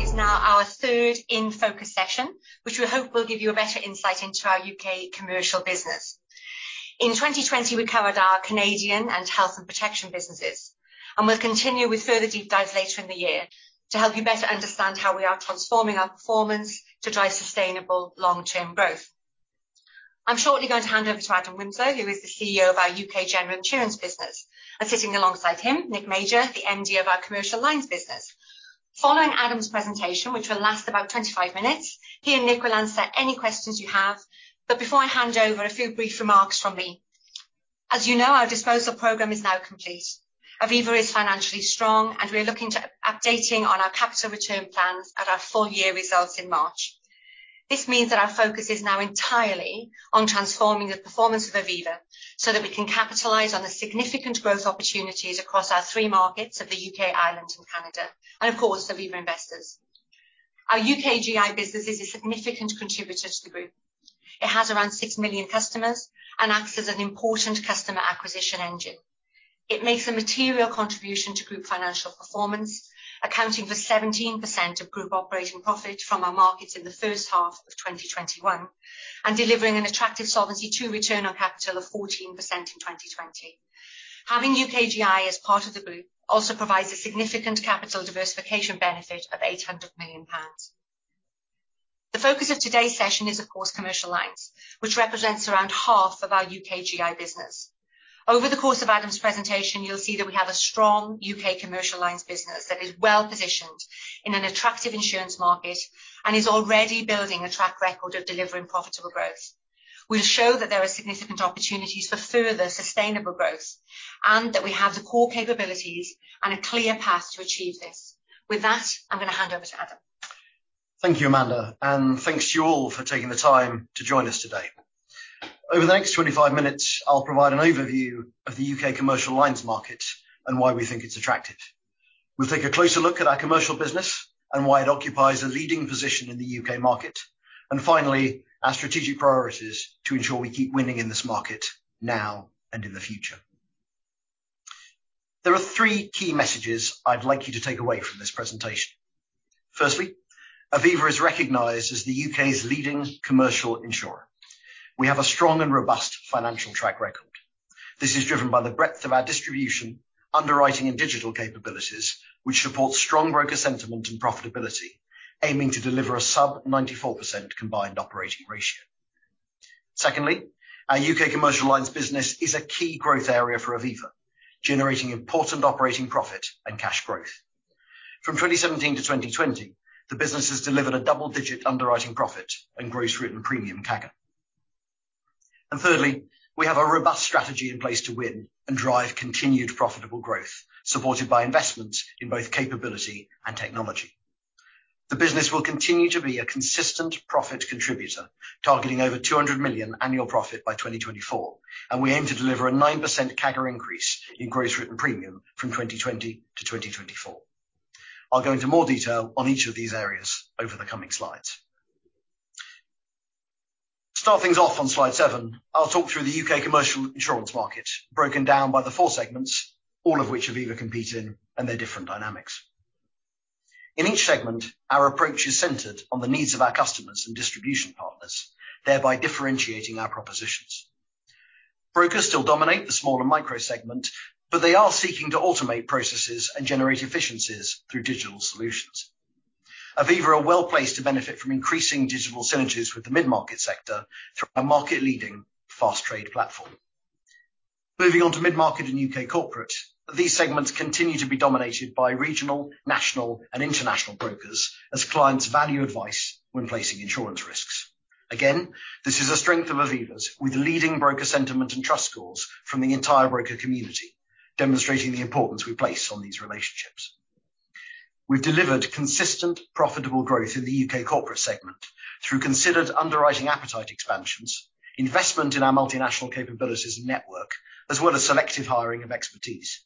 What is now our third in-focus session, which we hope will give you a better insight into our UK commercial business. In 2020, we covered our Canadian and health and protection businesses, and we'll continue with further deep dives later in the year to help you better understand how we are transforming our performance to drive sustainable long-term growth. I'm shortly going to hand over to Adam Winslow, who is the CEO of our UK General Insurance business, and sitting alongside him, Nick Major, the MD of our commercial lines business. Following Adam's presentation, which will last about 25 minutes, he and Nick will answer any questions you have. But before I hand over, a few brief remarks from me. As you know, our disposal program is now complete. Aviva is financially strong, and we are looking to update on our capital return plans at our full year results in March. This means that our focus is now entirely on transforming the performance of Aviva so that we can capitalize on the significant growth opportunities across our three markets of the UK, Ireland, and Canada, and of course Aviva Investors. Our UK GI business is a significant contributor to the group. It has around 6 million customers and acts as an important customer acquisition engine. It makes a material contribution to group financial performance, accounting for 17% of group operating profit from our markets in the first half of 2021, and delivering an attractive solvency to return on capital of 14% in 2020. Having UK GI as part of the group also provides a significant capital diversification benefit of 800 million pounds. The focus of today's session is, of course, commercial lines, which represents around half of our UK GI business. Over the course of Adam's presentation, you'll see that we have a strong UK commercial lines business that is well positioned in an attractive insurance market and is already building a track record of delivering profitable growth. We'll show that there are significant opportunities for further sustainable growth and that we have the core capabilities and a clear path to achieve this. With that, I'm going to hand over to Adam. Thank you, Amanda, and thanks to you all for taking the time to join us today. Over the next 25 minutes, I'll provide an overview of the U.K. commercial lines market and why we think it's attractive. We'll take a closer look at our commercial business and why it occupies a leading position in the U.K. market, and finally, our strategic priorities to ensure we keep winning in this market now and in the future. There are three key messages I'd like you to take away from this presentation. Firstly, Aviva is recognized as the U.K.'s leading commercial insurer. We have a strong and robust financial track record. This is driven by the breadth of our distribution, underwriting, and digital capabilities, which support strong broker sentiment and profitability, aiming to deliver a sub-94% combined operating ratio. Secondly, our UK commercial lines business is a key growth area for Aviva, generating important operating profit and cash growth. From 2017 to 2020, the business has delivered a double-digit underwriting profit and gross written premium CAGR. Thirdly, we have a robust strategy in place to win and drive continued profitable growth, supported by investments in both capability and technology. The business will continue to be a consistent profit contributor, targeting over 200 million annual profit by 2024, and we aim to deliver a 9% CAGR increase in gross written premium from 2020 to 2024. I'll go into more detail on each of these areas over the coming slides. To start things off on slide 7, I'll talk through the UK commercial insurance market, broken down by the 4 segments, all of which Aviva competes in, and their different dynamics. In each segment, our approach is centered on the needs of our customers and distribution partners, thereby differentiating our propositions. Brokers still dominate the small and micro segment, but they are seeking to automate processes and generate efficiencies through digital solutions. Aviva are well placed to benefit from increasing digital synergies with the mid-market sector through our market-leading Fast Trade platform. Moving on to mid-market and UK corporate, these segments continue to be dominated by regional, national, and international brokers as clients value advice when placing insurance risks. Again, this is a strength of Aviva's, with leading broker sentiment and trust scores from the entire broker community, demonstrating the importance we place on these relationships. We've delivered consistent, profitable growth in the UK corporate segment through considered underwriting appetite expansions, investment in our multinational capabilities and network, as well as selective hiring of expertise.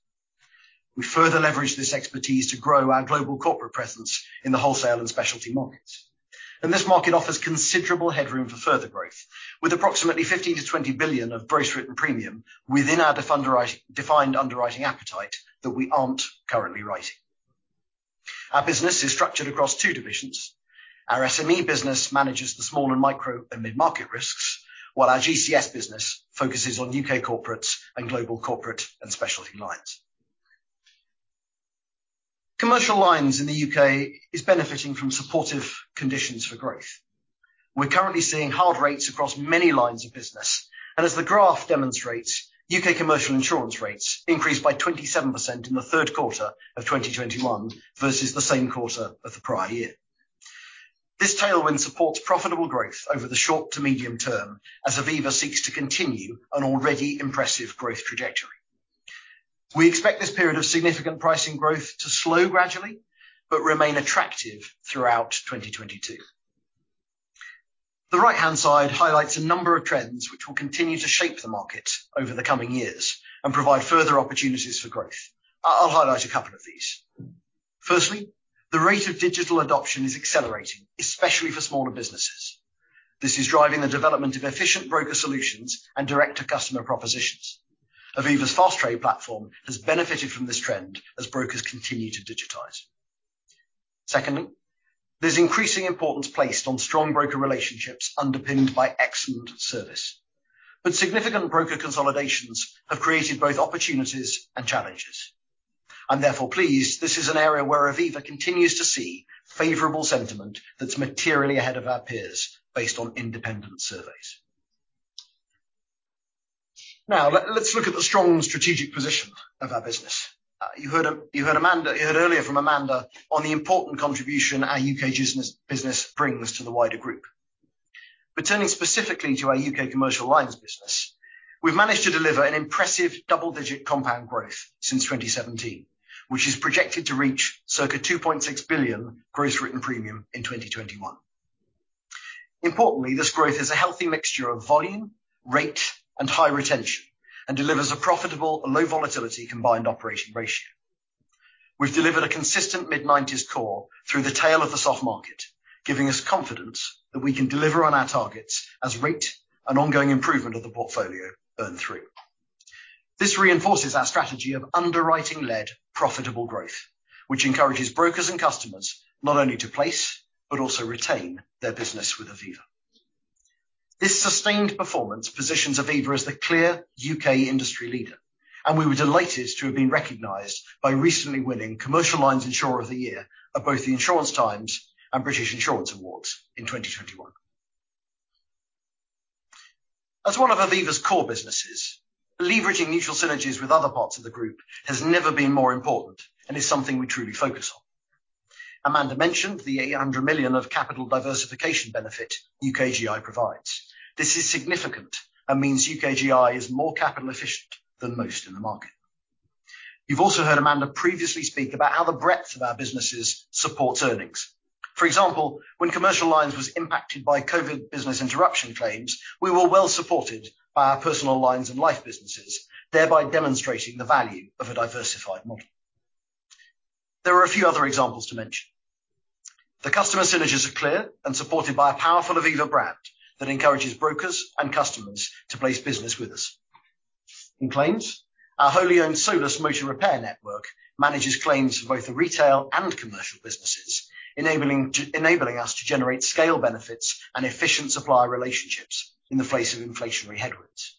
We further leverage this expertise to grow our global corporate presence in the wholesale and specialty markets. This market offers considerable headroom for further growth, with approximately 15-20 billion of gross written premium within our defined underwriting appetite that we aren't currently writing. Our business is structured across two divisions. Our SME business manages the small and micro and mid-market risks, while our GCS business focuses on UK corporates and Global Corporate and Specialty lines. Commercial lines in the UK is benefiting from supportive conditions for growth. We're currently seeing hard rates across many lines of business, and as the graph demonstrates, UK commercial insurance rates increased by 27% in the third quarter of 2021 versus the same quarter of the prior year. This tailwind supports profitable growth over the short to medium term as Aviva seeks to continue an already impressive growth trajectory. We expect this period of significant pricing growth to slow gradually but remain attractive throughout 2022. The right-hand side highlights a number of trends which will continue to shape the market over the coming years and provide further opportunities for growth. I'll highlight a couple of these. Firstly, the rate of digital adoption is accelerating, especially for smaller businesses. This is driving the development of efficient broker solutions and direct-to-customer propositions. Aviva's Fast Trade platform has benefited from this trend as brokers continue to digitize. Secondly, there's increasing importance placed on strong broker relationships underpinned by excellent service. Significant broker consolidations have created both opportunities and challenges. I'm therefore pleased this is an area where Aviva continues to see favorable sentiment that's materially ahead of our peers based on independent surveys. Now, let's look at the strong strategic position of our business. You heard earlier from Amanda on the important contribution our U.K. business brings to the wider group. But turning specifically to our U.K. commercial lines business, we've managed to deliver an impressive double-digit compound growth since 2017, which is projected to reach circa 2.6 billion gross written premium in 2021. Importantly, this growth is a healthy mixture of volume, rate, and high retention, and delivers a profitable, low-volatility combined operating ratio. We've delivered a consistent mid-90s core through the tail of the soft market, giving us confidence that we can deliver on our targets as rate and ongoing improvement of the portfolio burn through. This reinforces our strategy of underwriting-led profitable growth, which encourages brokers and customers not only to place but also retain their business with Aviva. This sustained performance positions Aviva as the clear UK industry leader, and we were delighted to have been recognised by recently winning Commercial Lines Insurer of the Year at both the Insurance Times and British Insurance Awards in 2021. As one of Aviva's core businesses, leveraging mutual synergies with other parts of the group has never been more important and is something we truly focus on. Amanda mentioned the 800 million of capital diversification benefit UK GI provides. This is significant and means UK GI is more capital efficient than most in the market. You've also heard Amanda previously speak about how the breadth of our businesses supports earnings. For example, when commercial lines was impacted by COVID business interruption claims, we were well supported by our personal lines and life businesses, thereby demonstrating the value of a diversified model. There are a few other examples to mention. The customer synergies are clear and supported by a powerful Aviva brand that encourages brokers and customers to place business with us. In claims, our wholly owned Solus motor repair network manages claims for both the retail and commercial businesses, enabling us to generate scale benefits and efficient supply relationships in the face of inflationary headwinds.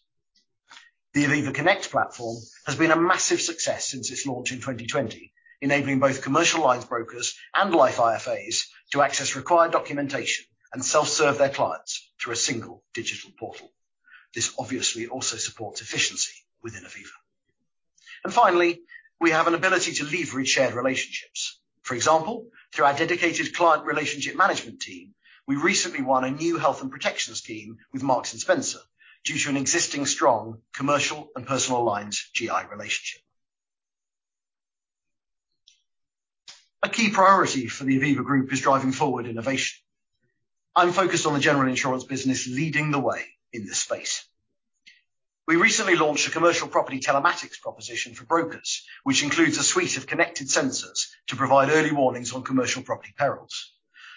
The Aviva Connect platform has been a massive success since its launch in 2020, enabling both commercial lines brokers and life IFAs to access required documentation and self-serve their clients through a single digital portal. This obviously also supports efficiency within Aviva. Finally, we have an ability to leverage shared relationships. For example, through our dedicated client relationship management team, we recently won a new health and protection scheme with Marks and Spencer due to an existing strong commercial and personal lines GI relationship. A key priority for the Aviva group is driving forward innovation. I'm focused on the general insurance business leading the way in this space. We recently launched a commercial property telematics proposition for brokers, which includes a suite of connected sensors to provide early warnings on commercial property perils.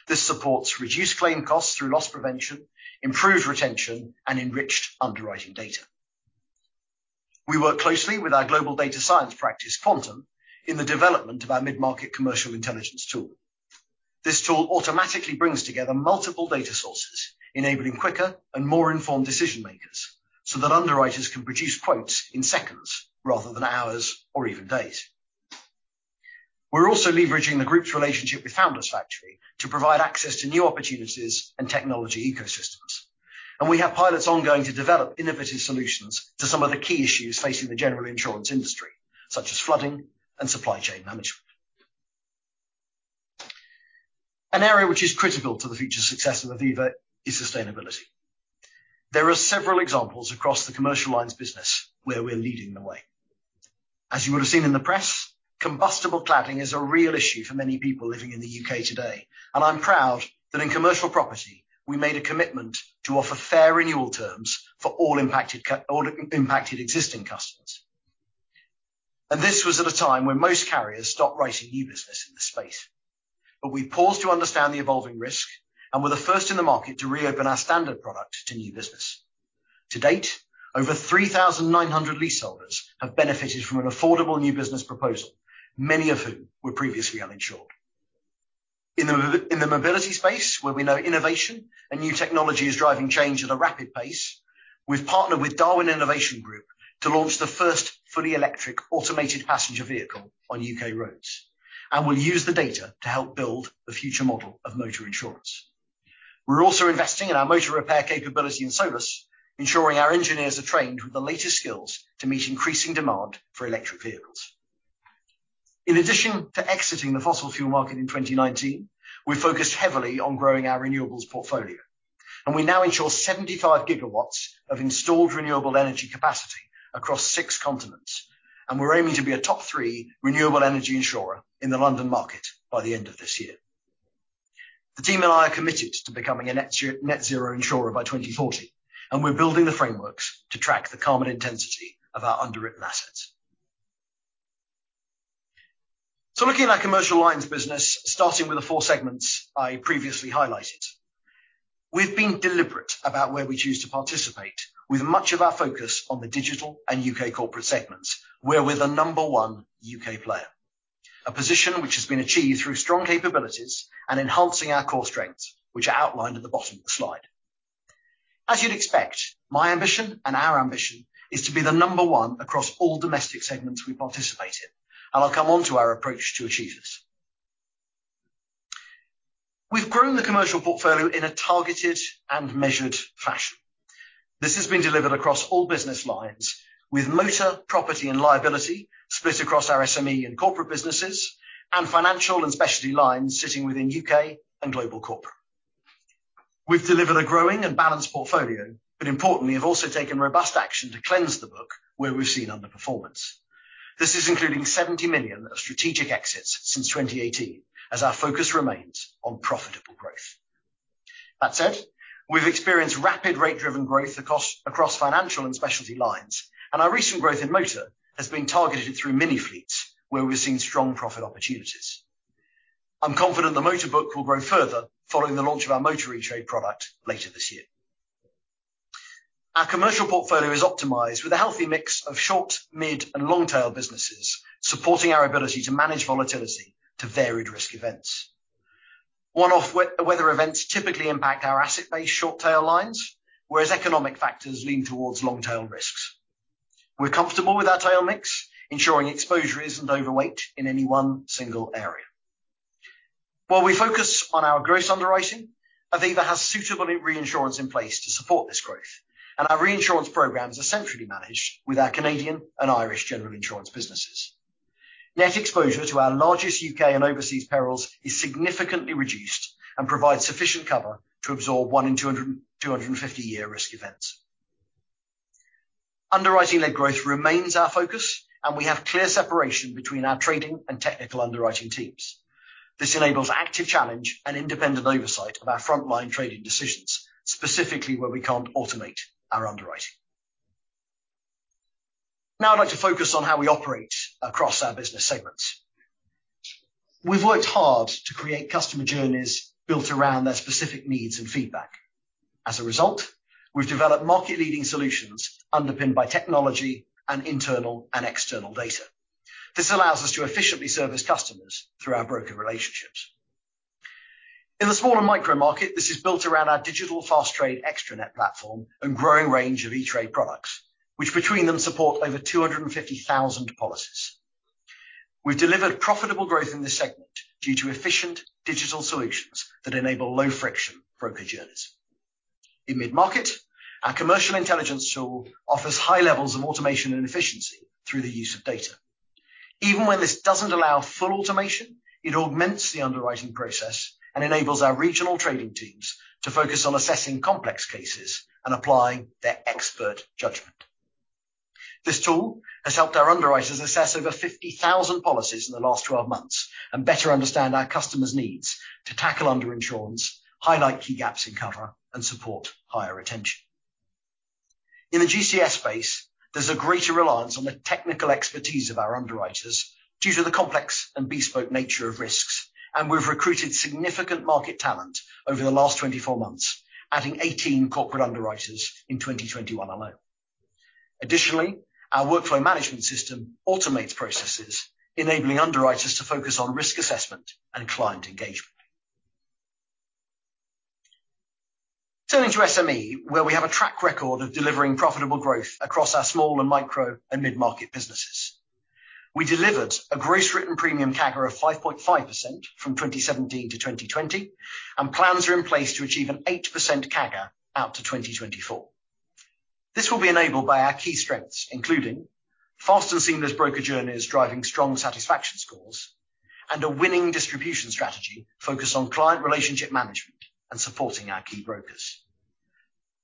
This supports reduced claim costs through loss prevention, improved retention, and enriched underwriting data. We work closely with our global data science practice, Quantum, in the development of our mid-market Commercial Intelligence Tool. This tool automatically brings together multiple data sources, enabling quicker and more informed decision makers so that underwriters can produce quotes in seconds rather than hours or even days. We're also leveraging the group's relationship with Founders Factory to provide access to new opportunities and technology ecosystems. We have pilots ongoing to develop innovative solutions to some of the key issues facing the general insurance industry, such as flooding and supply chain management. An area which is critical to the future success of Aviva is sustainability. There are several examples across the commercial lines business where we're leading the way. As you would have seen in the press, combustible cladding is a real issue for many people living in the U.K. today, and I'm proud that in commercial property we made a commitment to offer fair renewal terms for all impacted existing customers. This was at a time when most carriers stopped writing new business in this space. We paused to understand the evolving risk and were the first in the market to reopen our standard product to new business. To date, over 3,900 leaseholders have benefited from an affordable new business proposal, many of whom were previously uninsured. In the mobility space, where we know innovation and new technology is driving change at a rapid pace, we've partnered with Darwin Innovation Group to launch the first fully electric automated passenger vehicle on U.K. roads, and we'll use the data to help build the future model of motor insurance. We're also investing in our motor repair capability in Solus, ensuring our engineers are trained with the latest skills to meet increasing demand for electric vehicles. In addition to exiting the fossil fuel market in 2019, we focused heavily on growing our renewables portfolio, and we now ensure 75 gigawatts of installed renewable energy capacity across six continents, and we're aiming to be a top three renewable energy insurer in the London market by the end of this year. The team and I are committed to becoming a net zero insurer by 2040, and we're building the frameworks to track the carbon intensity of our underwritten assets. So looking at our commercial lines business, starting with the four segments I previously highlighted, we've been deliberate about where we choose to participate, with much of our focus on the digital and U.K. corporate segments where we're the number one U.K. player, a position which has been achieved through strong capabilities and enhancing our core strengths, which are outlined at the bottom of the slide. As you'd expect, my ambition and our ambition is to be the number one across all domestic segments we participate in, and I'll come on to our approach to achieve this. We've grown the commercial portfolio in a targeted and measured fashion. This has been delivered across all business lines, with motor, property, and liability split across our SME and corporate businesses, and financial and specialty lines sitting within UK and global corporate. We've delivered a growing and balanced portfolio, but importantly, have also taken robust action to cleanse the book where we've seen underperformance. This is including 70 million of strategic exits since 2018, as our focus remains on profitable growth. That said, we've experienced rapid rate-driven growth across financial and specialty lines, and our recent growth in motor has been targeted through mini fleets, where we've seen strong profit opportunities. I'm confident the motor book will grow further following the launch of our motor trade product later this year. Our commercial portfolio is optimized with a healthy mix of short, mid, and long tail businesses supporting our ability to manage volatility to varied risk events. One-off weather events typically impact our asset-based short tail lines, whereas economic factors lean towards long tail risks. We're comfortable with our tail mix, ensuring exposure isn't overweight in any one single area. While we focus on our gross underwriting, Aviva has suitable reinsurance in place to support this growth, and our reinsurance programs are centrally managed with our Canadian and Irish general insurance businesses. Net exposure to our largest U.K. and overseas perils is significantly reduced and provides sufficient cover to absorb one-in-250-year risk events. Underwriting-led growth remains our focus, and we have clear separation between our trading and technical underwriting teams. This enables active challenge and independent oversight of our frontline trading decisions, specifically where we can't automate our underwriting. Now I'd like to focus on how we operate across our business segments. We've worked hard to create customer journeys built around their specific needs and feedback. As a result, we've developed market-leading solutions underpinned by technology and internal and external data. This allows us to efficiently service customers through our broker relationships. In the small and micro market, this is built around our digital Fast Trade extranet platform and growing range of e-trade products, which between them support over 250,000 policies. We've delivered profitable growth in this segment due to efficient digital solutions that enable low-friction broker journeys. In mid-market, our Commercial Intelligence Tool offers high levels of automation and efficiency through the use of data. Even when this doesn't allow full automation, it augments the underwriting process and enables our regional trading teams to focus on assessing complex cases and applying their expert judgment. This tool has helped our underwriters assess over 50,000 policies in the last 12 months and better understand our customers' needs to tackle underinsurance, highlight key gaps in cover, and support higher retention. In the GCS space, there's a greater reliance on the technical expertise of our underwriters due to the complex and bespoke nature of risks, and we've recruited significant market talent over the last 24 months, adding 18 corporate underwriters in 2021 alone. Additionally, our workflow management system automates processes, enabling underwriters to focus on risk assessment and client engagement. Turning to SME, where we have a track record of delivering profitable growth across our small and micro and mid-market businesses. We delivered a gross written premium CAGR of 5.5% from 2017 to 2020, and plans are in place to achieve an 8% CAGR out to 2024. This will be enabled by our key strengths, including fast and seamless broker journeys, driving strong satisfaction scores, and a winning distribution strategy focused on client relationship management and supporting our key brokers.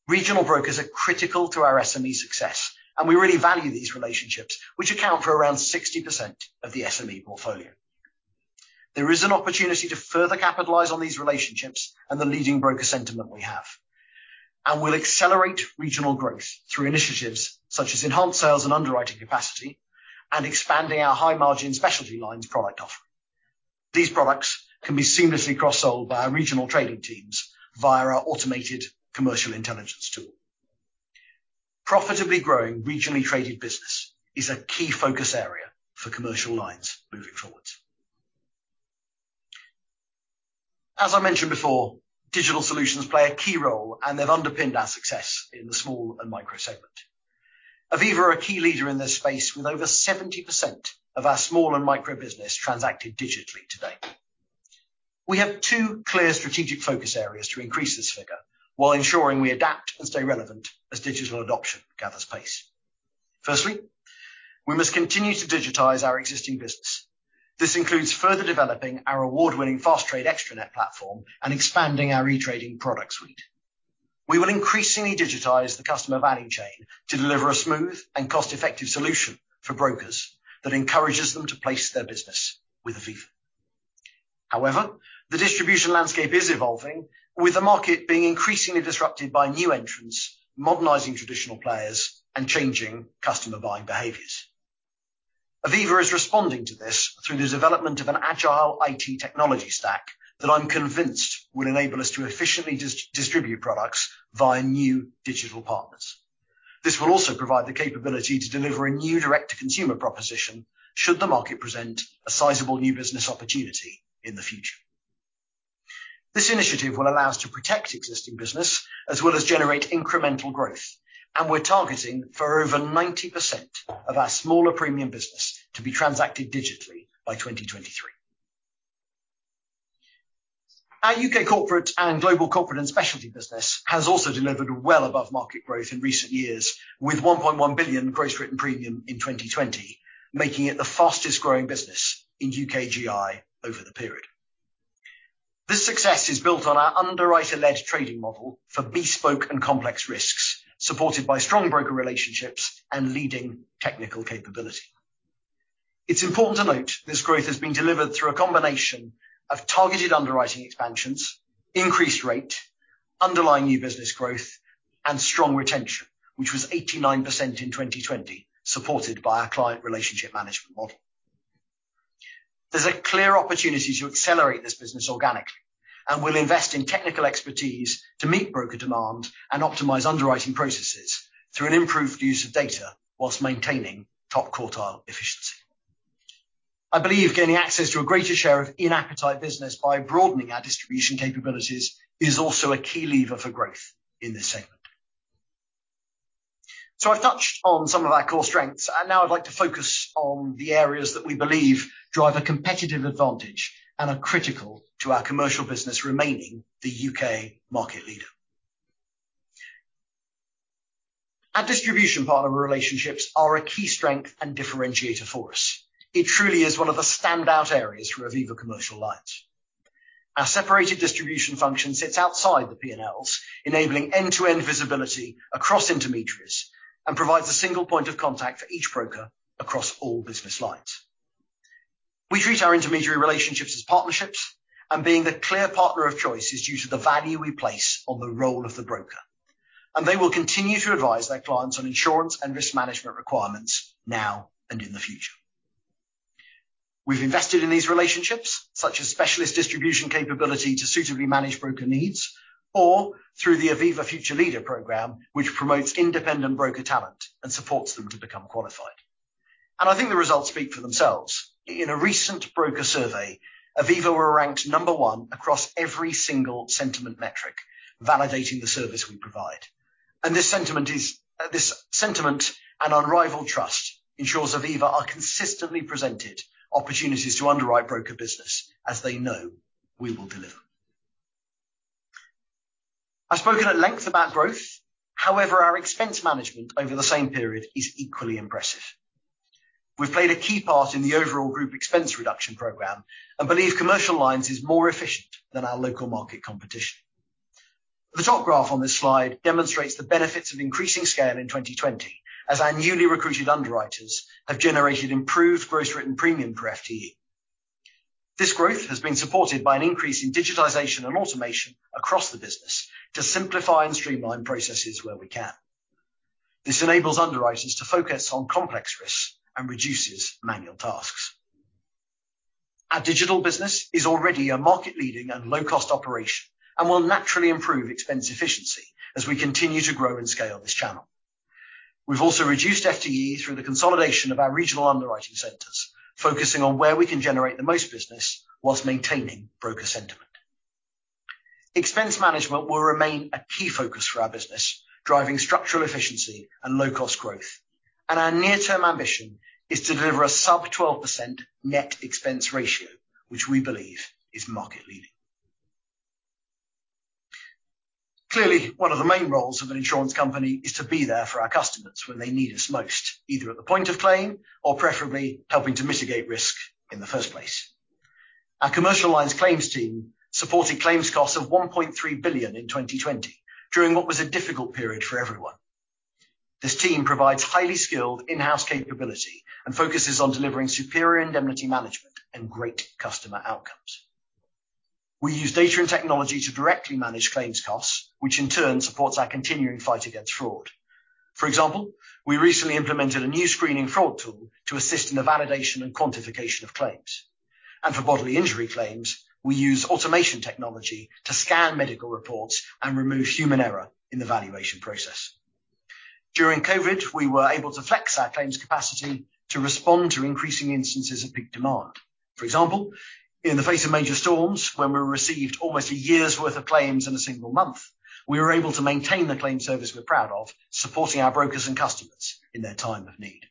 Regional brokers are critical to our SME success, and we really value these relationships, which account for around 60% of the SME portfolio. There is an opportunity to further capitalize on these relationships and the leading broker sentiment we have, and we'll accelerate regional growth through initiatives such as enhanced sales and underwriting capacity and expanding our high-margin specialty lines product offering. These products can be seamlessly cross-sold by our regional trading teams via our automated commercial intelligence tool. Profitably growing regionally traded business is a key focus area for commercial lines moving forward. As I mentioned before, digital solutions play a key role, and they've underpinned our success in the small and micro segment. Aviva are a key leader in this space, with over 70% of our small and micro business transacted digitally today. We have two clear strategic focus areas to increase this figure while ensuring we adapt and stay relevant as digital adoption gathers pace. Firstly, we must continue to digitize our existing business. This includes further developing our award-winning Fast Trade extranet platform and expanding our e-trading product suite. We will increasingly digitize the customer value chain to deliver a smooth and cost-effective solution for brokers that encourages them to place their business with Aviva. However, the distribution landscape is evolving, with the market being increasingly disrupted by new entrants, modernising traditional players, and changing customer buying behaviors. Aviva is responding to this through the development of an agile IT technology stack that I'm convinced will enable us to efficiently distribute products via new digital partners. This will also provide the capability to deliver a new direct-to-consumer proposition should the market present a sizable new business opportunity in the future. This initiative will allow us to protect existing business as well as generate incremental growth, and we're targeting for over 90% of our smaller premium business to be transacted digitally by 2023. Our UK corporate and global corporate and specialty business has also delivered well above market growth in recent years, with 1.1 billion gross written premium in 2020, making it the fastest growing business in UK GI over the period. This success is built on our underwriter-led trading model for bespoke and complex risks, supported by strong broker relationships and leading technical capability. It's important to note this growth has been delivered through a combination of targeted underwriting expansions, increased rate, underlying new business growth, and strong retention, which was 89% in 2020, supported by our client relationship management model. There's a clear opportunity to accelerate this business organically, and we'll invest in technical expertise to meet broker demand and optimize underwriting processes through an improved use of data while maintaining top quartile efficiency. I believe gaining access to a greater share of in-appetite business by broadening our distribution capabilities is also a key lever for growth in this segment. So I've touched on some of our core strengths, and now I'd like to focus on the areas that we believe drive a competitive advantage and are critical to our commercial business remaining the UK market leader. Our distribution partner relationships are a key strength and differentiator for us. It truly is one of the standout areas for Aviva Commercial Lines. Our separated distribution function sits outside the P&Ls, enabling end-to-end visibility across intermediaries and provides a single point of contact for each broker across all business lines. We treat our intermediary relationships as partnerships, and being the clear partner of choice is due to the value we place on the role of the broker, and they will continue to advise their clients on insurance and risk management requirements now and in the future. We've invested in these relationships, such as specialist distribution capability to suitably manage broker needs, or through the Aviva Future Leader Programme, which promotes independent broker talent and supports them to become qualified. I think the results speak for themselves. In a recent broker survey, Aviva were ranked number one across every single sentiment metric validating the service we provide. This sentiment is this sentiment, and unrivaled trust ensures Aviva are consistently presented opportunities to underwrite broker business as they know we will deliver. I've spoken at length about growth. However, our expense management over the same period is equally impressive. We've played a key part in the overall group expense reduction program and believe commercial lines is more efficient than our local market competition. The top graph on this slide demonstrates the benefits of increasing scale in 2020, as our newly recruited underwriters have generated improved gross written premium per FTE. This growth has been supported by an increase in digitization and automation across the business to simplify and streamline processes where we can. This enables underwriters to focus on complex risks and reduces manual tasks. Our digital business is already a market-leading and low-cost operation and will naturally improve expense efficiency as we continue to grow and scale this channel. We've also reduced FTE through the consolidation of our regional underwriting centers, focusing on where we can generate the most business while maintaining broker sentiment. Expense management will remain a key focus for our business, driving structural efficiency and low-cost growth, and our near-term ambition is to deliver a sub-12% net expense ratio, which we believe is market-leading. Clearly, one of the main roles of an insurance company is to be there for our customers when they need us most, either at the point of claim or preferably helping to mitigate risk in the first place. Our commercial lines claims team supported claims costs of 1.3 billion in 2020 during what was a difficult period for everyone. This team provides highly skilled in-house capability and focuses on delivering superior indemnity management and great customer outcomes. We use data and technology to directly manage claims costs, which in turn supports our continuing fight against fraud. For example, we recently implemented a new screening fraud tool to assist in the validation and quantification of claims. For bodily injury claims, we use automation technology to scan medical reports and remove human error in the valuation process. During COVID, we were able to flex our claims capacity to respond to increasing instances of peak demand. For example, in the face of major storms, when we received almost a year's worth of claims in a single month, we were able to maintain the claim service we're proud of, supporting our brokers and customers in their time of need.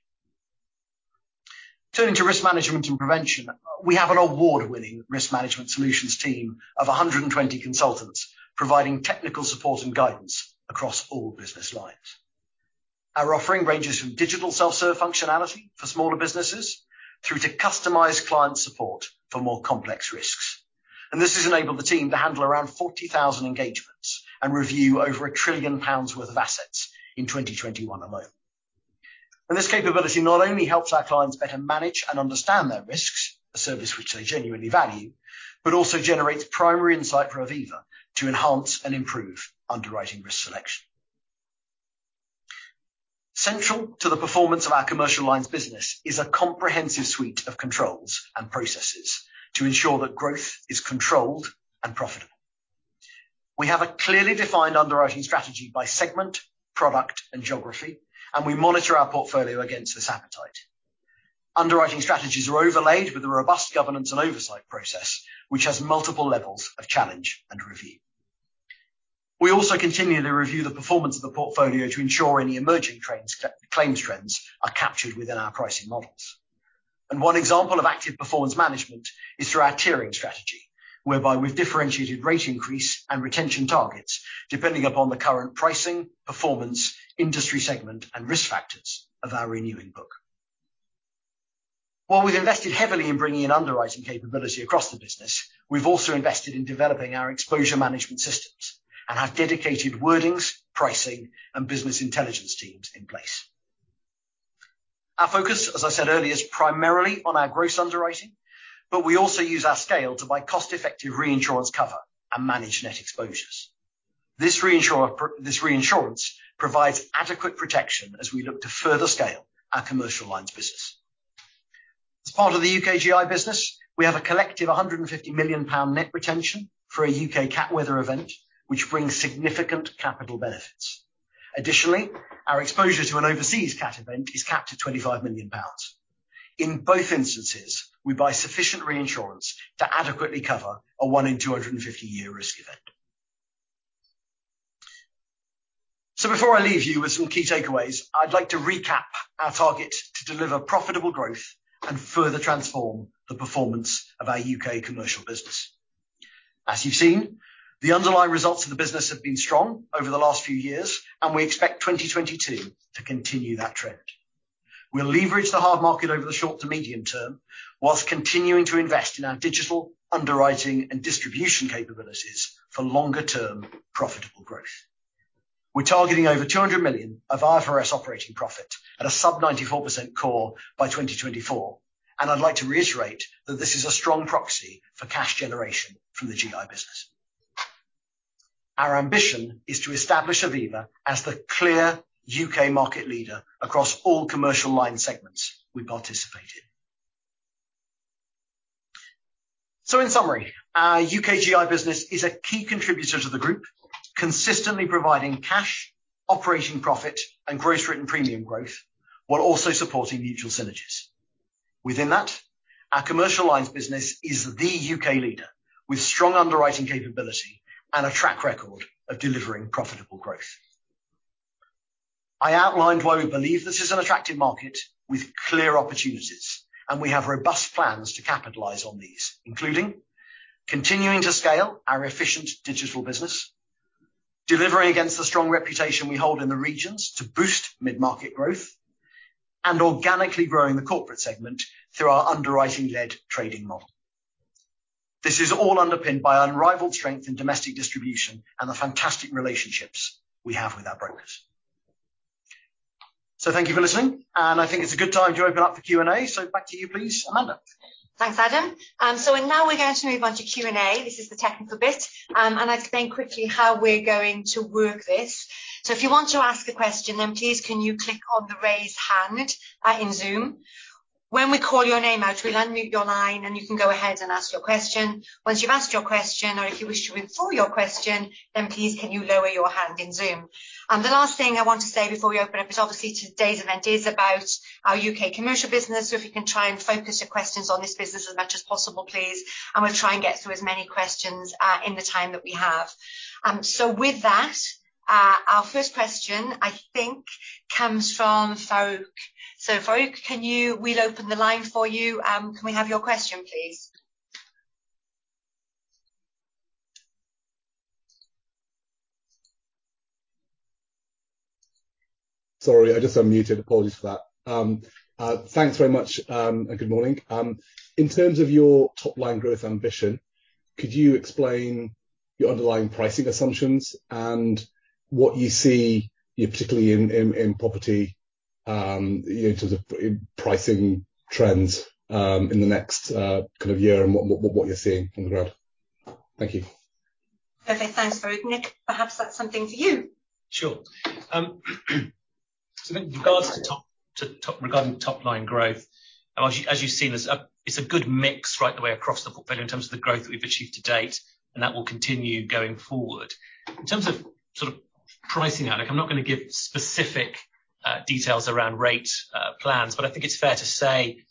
Turning to risk management and prevention, we have an award-winning risk management solutions team of 120 consultants providing technical support and guidance across all business lines. Our offering ranges from digital self-serve functionality for smaller businesses through to customized client support for more complex risks. This has enabled the team to handle around 40,000 engagements and review over 1 trillion pounds worth of assets in 2021 alone. This capability not only helps our clients better manage and understand their risks, a service which they genuinely value, but also generates primary insight for Aviva to enhance and improve underwriting risk selection. Central to the performance of our commercial lines business is a comprehensive suite of controls and processes to ensure that growth is controlled and profitable. We have a clearly defined underwriting strategy by segment, product, and geography, and we monitor our portfolio against this appetite. Underwriting strategies are overlaid with a robust governance and oversight process, which has multiple levels of challenge and review. We also continually review the performance of the portfolio to ensure any emerging claims trends are captured within our pricing models. One example of active performance management is through our tiering strategy, whereby we've differentiated rate increase and retention targets depending upon the current pricing, performance, industry segment, and risk factors of our renewing book. While we've invested heavily in bringing in underwriting capability across the business, we've also invested in developing our exposure management systems and have dedicated wordings, pricing, and business intelligence teams in place. Our focus, as I said earlier, is primarily on our gross underwriting, but we also use our scale to buy cost-effective reinsurance cover and manage net exposures. This reinsurance provides adequate protection as we look to further scale our commercial lines business. As part of the UK GI business, we have a collective 150 million pound net retention for a UK cat weather event, which brings significant capital benefits. Additionally, our exposure to an overseas cat event is capped at 25 million pounds. In both instances, we buy sufficient reinsurance to adequately cover a 1-in-250-year risk event. So before I leave you with some key takeaways, I'd like to recap our target to deliver profitable growth and further transform the performance of our UK commercial business. As you've seen, the underlying results of the business have been strong over the last few years, and we expect 2022 to continue that trend. We'll leverage the hard market over the short- to medium-term whilst continuing to invest in our digital underwriting and distribution capabilities for longer-term profitable growth. We're targeting over 200 million of IFRS operating profit at a sub-94% COR by 2024, and I'd like to reiterate that this is a strong proxy for cash generation from the GI business. Our ambition is to establish Aviva as the clear UK market leader across all commercial line segments we participate in. So in summary, our UK GI business is a key contributor to the group, consistently providing cash, operating profit, and gross written premium growth, while also supporting mutual synergies. Within that, our commercial lines business is the UK leader with strong underwriting capability and a track record of delivering profitable growth. I outlined why we believe this is an attractive market with clear opportunities, and we have robust plans to capitalize on these, including continuing to scale our efficient digital business, delivering against the strong reputation we hold in the regions to boost mid-market growth, and organically growing the corporate segment through our underwriting-led trading model. This is all underpinned by unrivaled strength in domestic distribution and the fantastic relationships we have with our brokers. So thank you for listening, and I think it's a good time to open up for Q&A. So back to you, please, Amanda. Thanks, Adam. So now we're going to move on to Q&A. This is the technical bit, and I'll explain quickly how we're going to work this. So if you want to ask a question, then please can you click on the raise hand in Zoom. When we call your name out, we'll unmute your line, and you can go ahead and ask your question. Once you've asked your question, or if you wish to withdraw your question, then please, can you lower your hand in Zoom. And the last thing I want to say before we open up is obviously today's event is about our UK commercial business, so if you can try and focus your questions on this business as much as possible, please, and we'll try and get through as many questions in the time that we have. So with that, our first question, I think, comes from Farooq. So Farooq, we'll open the line for you. Can we have your question, please? Sorry, I just unmuted. Apologies for that. Thanks very much and good morning. In terms of your top-line growth ambition, could you explain your underlying pricing assumptions and what you see, particularly in property in terms of pricing trends in the next kind of year and what you're seeing on the ground? Thank you. Perfect. Thanks, Farooq. Nick, perhaps that's something for you. Sure. So I think regarding top-line growth, as you've seen, it's a good mix right the way across the portfolio in terms of the growth that we've achieved to date, and that will continue going forward. In terms of sort of pricing out, I'm not going to give specific details around rate plans, but I think it's fair to say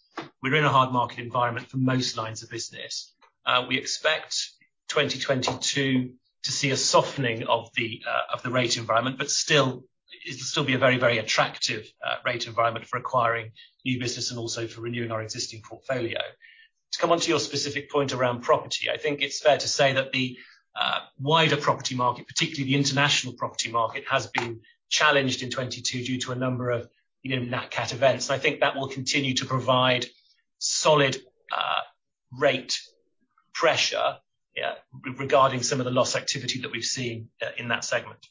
we're in a hard market environment for most lines of business. We expect 2022 to see a softening of the rate environment, but still, it'll still be a very, very attractive rate environment for acquiring new business and also for renewing our existing portfolio. To come on to your specific point around property, I think it's fair to say that the wider property market, particularly the international property market, has been challenged in 2022 due to a number of nat-cat events. And I think that will continue to provide solid rate pressure regarding some of the loss activity that we've seen in that segment.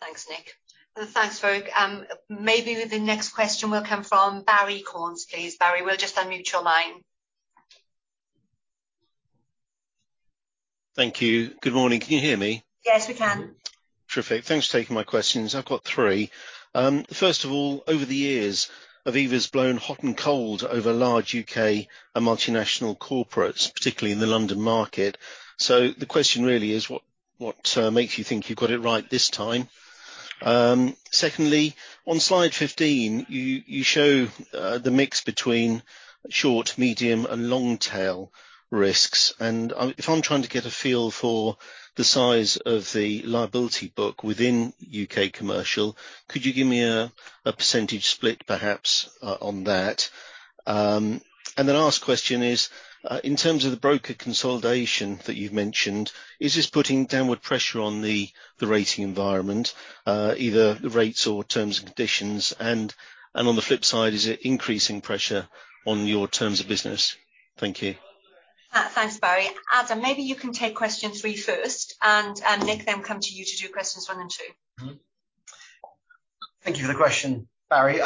Thanks, Nick. And thanks, Farooq. Maybe the next question will come from Barrie Cornes, please. Barrie, we'll just unmute your line. Thank you. Good morning. Can you hear me? Yes, we can. Terrific. Thanks for taking my questions. I've got three. First of all, over the years, Aviva's blown hot and cold over large UK and multinational corporates, particularly in the London market. So the question really is, what makes you think you've got it right this time? Secondly, on slide 15, you show the mix between short, medium, and long-tail risks. And if I'm trying to get a feel for the size of the liability book within UK commercial, could you give me a percentage split perhaps on that? And the last question is, in terms of the broker consolidation that you've mentioned, is this putting downward pressure on the rating environment, either the rates or terms and conditions? And on the flip side, is it increasing pressure on your terms of business? Thank you. Thanks, Barry. Adam, maybe you can take question three first, and Nick, then come to you to do questions one and two. Thank you for the question, Barrie.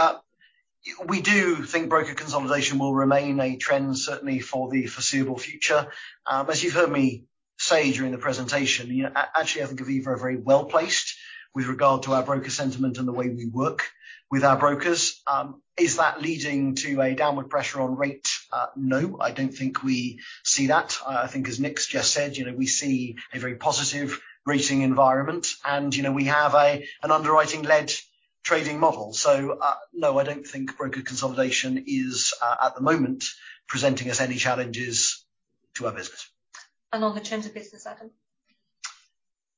We do think broker consolidation will remain a trend, certainly for the foreseeable future. As you've heard me say during the presentation, actually, I think Aviva are very well placed with regard to our broker sentiment and the way we work with our brokers. Is that leading to a downward pressure on rate? No, I don't think we see that. I think, as Nick's just said, we see a very positive rating environment, and we have an underwriting-led trading model. So no, I don't think broker consolidation is, at the moment, presenting us any challenges to our business. And on the terms of business, Adam?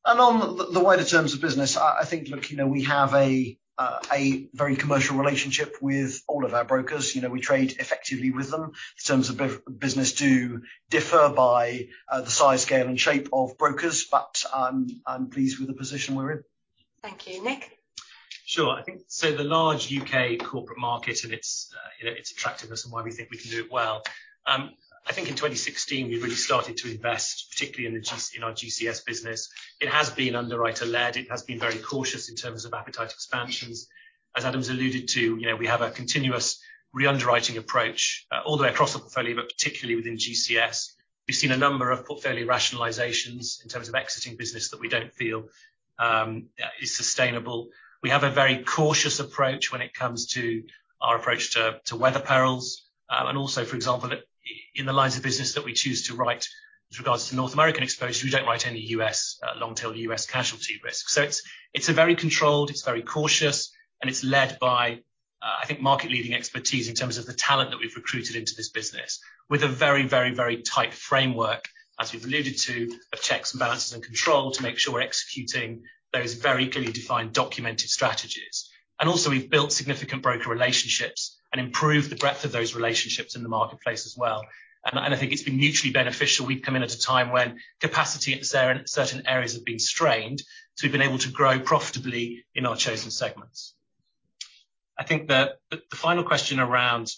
And on the wider terms of business, I think, look, we have a very commercial relationship with all of our brokers. We trade effectively with them. The terms of business do differ by the size, scale, and shape of brokers, but I'm pleased with the position we're in. Thank you. Nick? Sure. I think, so the large UK corporate market and its attractiveness and why we think we can do it well. I think in 2016, we really started to invest, particularly in our GCS business. It has been underwriter-led. It has been very cautious in terms of appetite expansions. As Adam's alluded to, we have a continuous re-underwriting approach all the way across the portfolio, but particularly within GCS. We've seen a number of portfolio rationalizations in terms of exiting business that we don't feel is sustainable. We have a very cautious approach when it comes to our approach to weather perils. And also, for example, in the lines of business that we choose to write with regards to North American exposures, we don't write any long-tail U.S. casualty risk. So it's very controlled, it's very cautious, and it's led by, I think, market-leading expertise in terms of the talent that we've recruited into this business, with a very, very, very tight framework, as we've alluded to, of checks and balances and control to make sure we're executing those very clearly defined, documented strategies. And also, we've built significant broker relationships and improved the breadth of those relationships in the marketplace as well. And I think it's been mutually beneficial. We've come in at a time when capacity in certain areas has been strained, so we've been able to grow profitably in our chosen segments. I think the final question around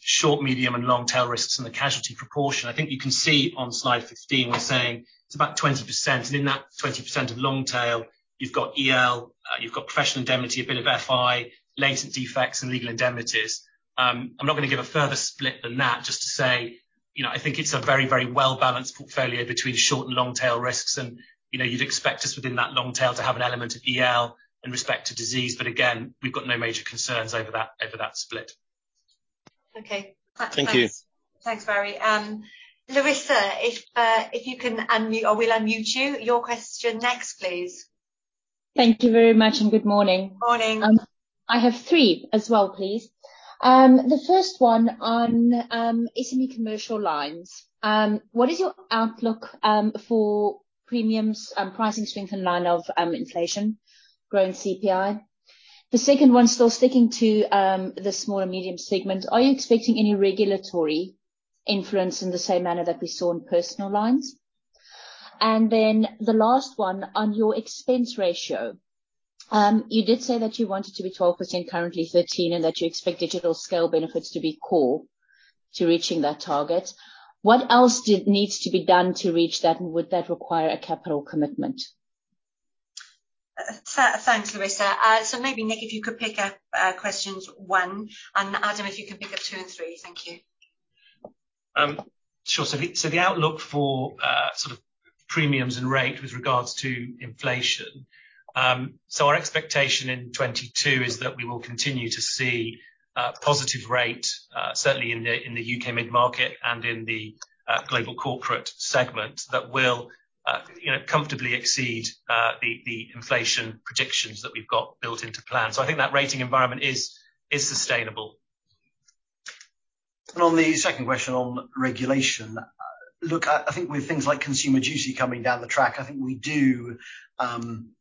short, medium, and long-tail risks and the casualty proportion. I think you can see on slide 15, we're saying it's about 20%. And in that 20% of long-tail, you've got EL, you've got professional indemnity, a bit of FI, latent defects, and legal indemnities. I'm not going to give a further split than that, just to say I think it's a very, very well-balanced portfolio between short and long-tail risks. And you'd expect us within that long-tail to have an element of EL and respect to disease, but again, we've got no major concerns over that split. Okay. Thank you. Thanks, Barry. Larissa, if you can unmute, or we'll unmute you, your question next, please. Thank you very much and good morning. Morning. I have three as well, please. The first one on SME commercial lines. What is your outlook for premiums and pricing strength in line of inflation, growing CPI? The second one, still sticking to the small and medium segment, are you expecting any regulatory influence in the same manner that we saw in personal lines? And then the last one on your expense ratio. You did say that you want it to be 12%, currently 13%, and that you expect digital scale benefits to be core to reaching that target. What else needs to be done to reach that, and would that require a capital commitment? Thanks, Larissa. So maybe, Nick, if you could pick up questions one and Adam, if you can pick up two and three. Thank you. Sure. So the outlook for sort of premiums and rate with regards to inflation, so our expectation in 2022 is that we will continue to see positive rate, certainly in the UK mid-market and in the global corporate segment, that will comfortably exceed the inflation predictions that we've got built into plan. So I think that rating environment is sustainable. And on the second question on regulation, look, I think with things like consumer duty coming down the track, I think we do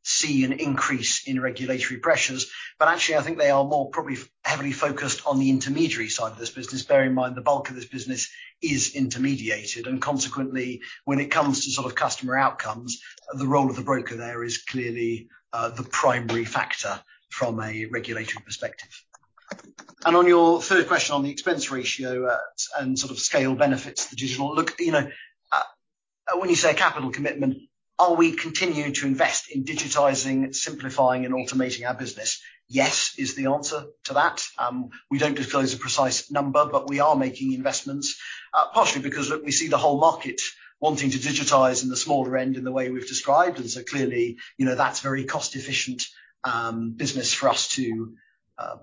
see an increase in regulatory pressures. But actually, I think they are more probably heavily focused on the intermediary side of this business. Bear in mind, the bulk of this business is intermediated. And consequently, when it comes to sort of customer outcomes, the role of the broker there is clearly the primary factor from a regulatory perspective. On your third question on the expense ratio and sort of scale benefits to the digital, look, when you say a capital commitment, are we continuing to invest in digitizing, simplifying, and automating our business? Yes is the answer to that. We don't disclose a precise number, but we are making investments, partially because, look, we see the whole market wanting to digitize in the smaller end in the way we've described. And so clearly, that's a very cost-efficient business for us to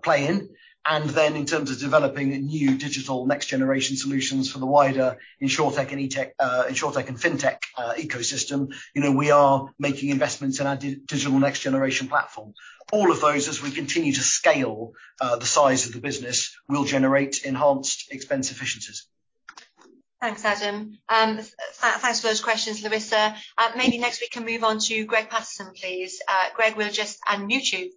play in. And then in terms of developing new digital next-generation solutions for the wider insurtech and fintech ecosystem, we are making investments in our digital next-generation platform. All of those, as we continue to scale the size of the business, will generate enhanced expense efficiencies. Thanks, Adam. Thanks for those questions, Larissa. Maybe next week can move on to Greig Paterson, please. Greg, we'll just unmute you.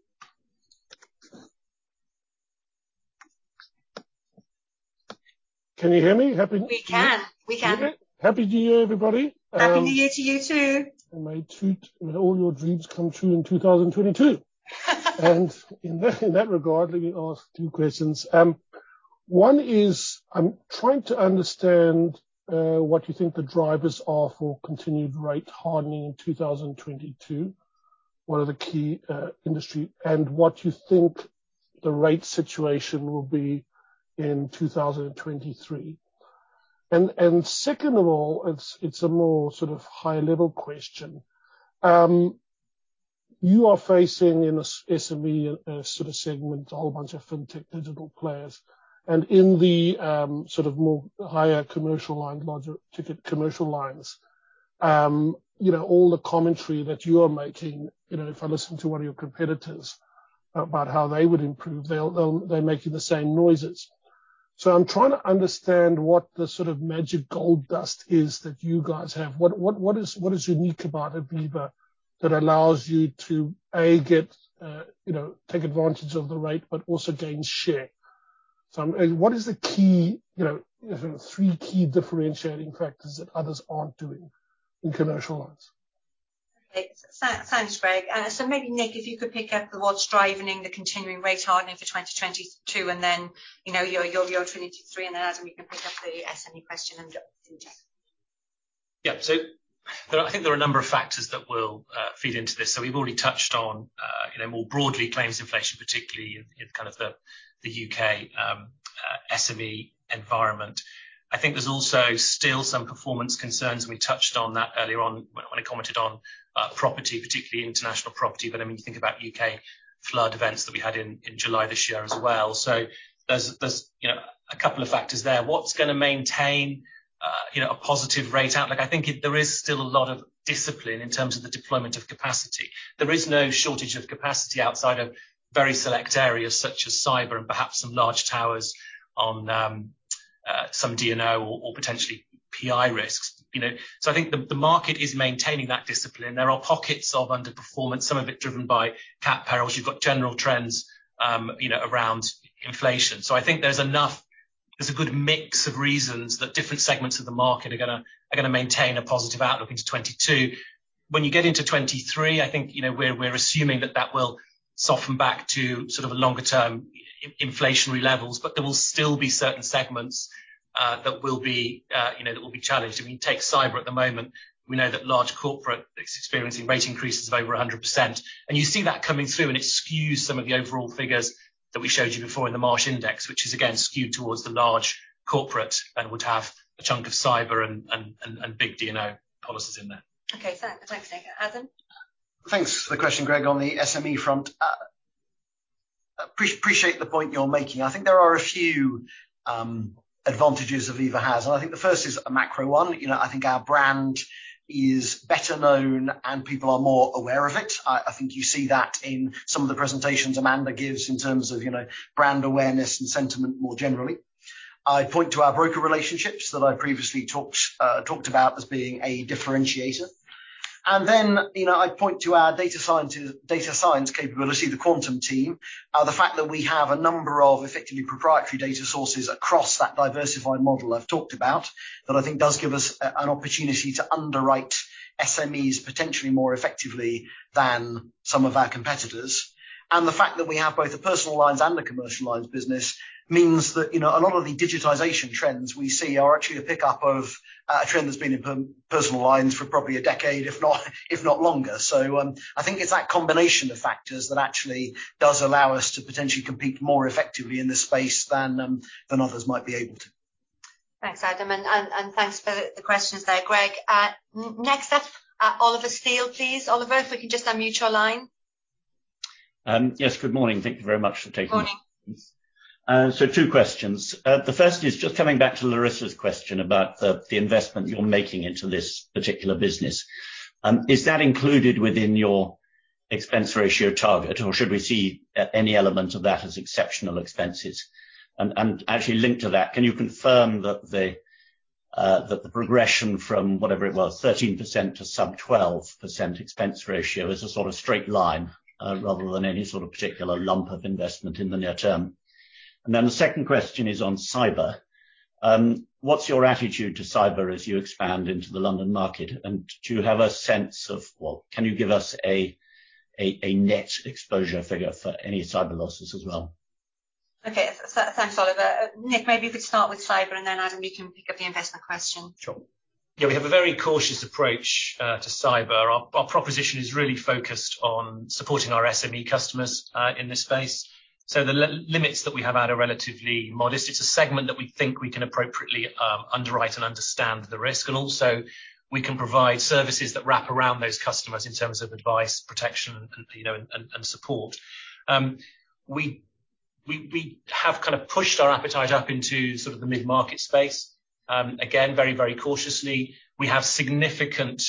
Can you hear me? We can. We can. Happy New Year, everybody. Happy New Year to you too. And may all your dreams come true in 2022. And in that regard, let me ask two questions. One is, I'm trying to understand what you think the drivers are for continued rate hardening in 2022. What are the key industry and what you think the rate situation will be in 2023? And second of all, it's a more sort of high-level question. You are facing in SME sort of segments, a whole bunch of fintech digital players. And in the sort of more higher commercial lines, all the commentary that you are making, if I listen to one of your competitors about how they would improve, they're making the same noises. So I'm trying to understand what the sort of magic gold dust is that you guys have. What is unique about Aviva that allows you to, a, take advantage of the rate, but also gain share? So what is the key three key differentiating factors that others aren't doing in commercial lines? Thanks, Greg. So maybe, Nick, if you could pick up what's driving the continuing rate hardening for 2022 and then your 2023, and then Adam, you can pick up the SME question and. Yeah. So I think there are a number of factors that will feed into this. So we've already touched on more broadly claims inflation, particularly in kind of the U.K. SME environment. I think there's also still some performance concerns. We touched on that earlier on when I commented on property, particularly international property. But I mean, you think about UK flood events that we had in July this year as well. So there's a couple of factors there. What's going to maintain a positive rate outlook? I think there is still a lot of discipline in terms of the deployment of capacity. There is no shortage of capacity outside of very select areas such as cyber and perhaps some large towers on some D&O or potentially PI risks. So I think the market is maintaining that discipline. There are pockets of underperformance, some of it driven by cat perils. You've got general trends around inflation. So I think there's a good mix of reasons that different segments of the market are going to maintain a positive outlook into 2022. When you get into 2023, I think we're assuming that that will soften back to sort of longer-term inflationary levels, but there will still be certain segments that will be challenged. If you take cyber at the moment, we know that large corporate is experiencing rate increases of over 100%. And you see that coming through, and it skews some of the overall figures that we showed you before in the Marsh Index, which is again skewed towards the large corporate and would have a chunk of cyber and big D&O policies in there. Okay. Thanks, Nick. Adam? Thanks for the question, Greg. On the SME front, I appreciate the point you're making. I think there are a few advantages Aviva has. And I think the first is a macro one. I think our brand is better known, and people are more aware of it. I think you see that in some of the presentations Amanda gives in terms of brand awareness and sentiment more generally. I point to our broker relationships that I previously talked about as being a differentiator. And then I point to our data science capability, the Quantum team, the fact that we have a number of effectively proprietary data sources across that diversified model I've talked about that I think does give us an opportunity to underwrite SMEs potentially more effectively than some of our competitors. And the fact that we have both the personal lines and the commercial lines business means that a lot of the digitization trends we see are actually a pickup of a trend that's been in personal lines for probably a decade, if not longer. So I think it's that combination of factors that actually does allow us to potentially compete more effectively in this space than others might be able to. Thanks, Adam. And thanks for the questions there, Greg. Next up, Oliver Steele, please. Oliver, if we can just unmute your line. Yes. Good morning. Thank you very much for taking the time. Good morning. So two questions. The first is just coming back to Larissa's question about the investment you're making into this particular business. Is that included within your expense ratio target, or should we see any element of that as exceptional expenses? And actually linked to that, can you confirm that the progression from whatever it was, 13% to sub-12% expense ratio is a sort of straight line rather than any sort of particular lump of investment in the near term? And then the second question is on cyber. What's your attitude to cyber as you expand into the London market? And do you have a sense of, well, can you give us a net exposure figure for any cyber losses as well? Okay. Thanks, Oliver. Nick, maybe you could start with cyber, and then Adam, you can pick up the investment question. Sure. Yeah. We have a very cautious approach to cyber. Our proposition is really focused on supporting our SME customers in this space. So the limits that we have are relatively modest. It's a segment that we think we can appropriately underwrite and understand the risk. And also, we can provide services that wrap around those customers in terms of advice, protection, and support. We have kind of pushed our appetite up into sort of the mid-market space, again, very, very cautiously. We have significant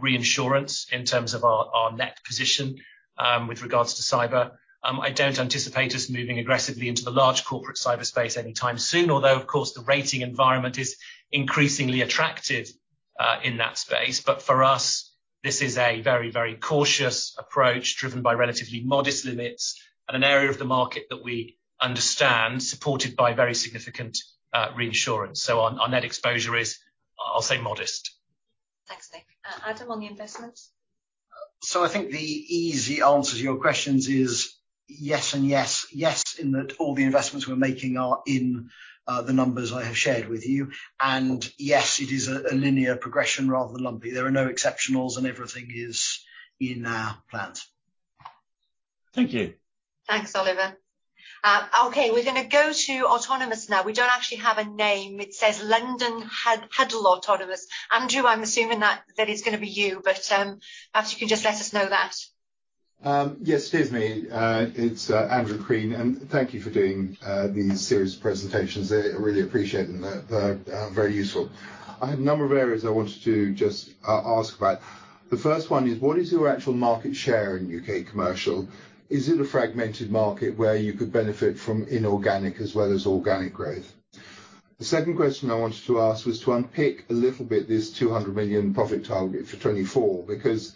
reinsurance in terms of our net position with regards to cyber. I don't anticipate us moving aggressively into the large corporate space anytime soon, although, of course, the rating environment is increasingly attractive in that space. But for us, this is a very, very cautious approach driven by relatively modest limits and an area of the market that we understand, supported by very significant reinsurance. So our net exposure is, I'll say, modest. Thanks, Nick. Adam, on the investments? So I think the easy answer to your questions is yes and yes. Yes in that all the investments we're making are in the numbers I have shared with you. And yes, it is a linear progression rather than lumpy. There are no exceptionals, and everything is in our plans. Thank you. Thanks, Oliver. Okay. We're going to go to Autonomous now. We don't actually have a name. It says London Huddle Autonomous. Andrew, I'm assuming that it's going to be you, but perhaps you can just let us know that. Yes, it is me. It's Andrew Crean. And thank you for doing these series of presentations. I really appreciate them. They're very useful. I have a number of areas I wanted to just ask about. The first one is, what is your actual market share in UK commercial? Is it a fragmented market where you could benefit from inorganic as well as organic growth? The second question I wanted to ask was to unpick a little bit this 200 million profit target for 2024 because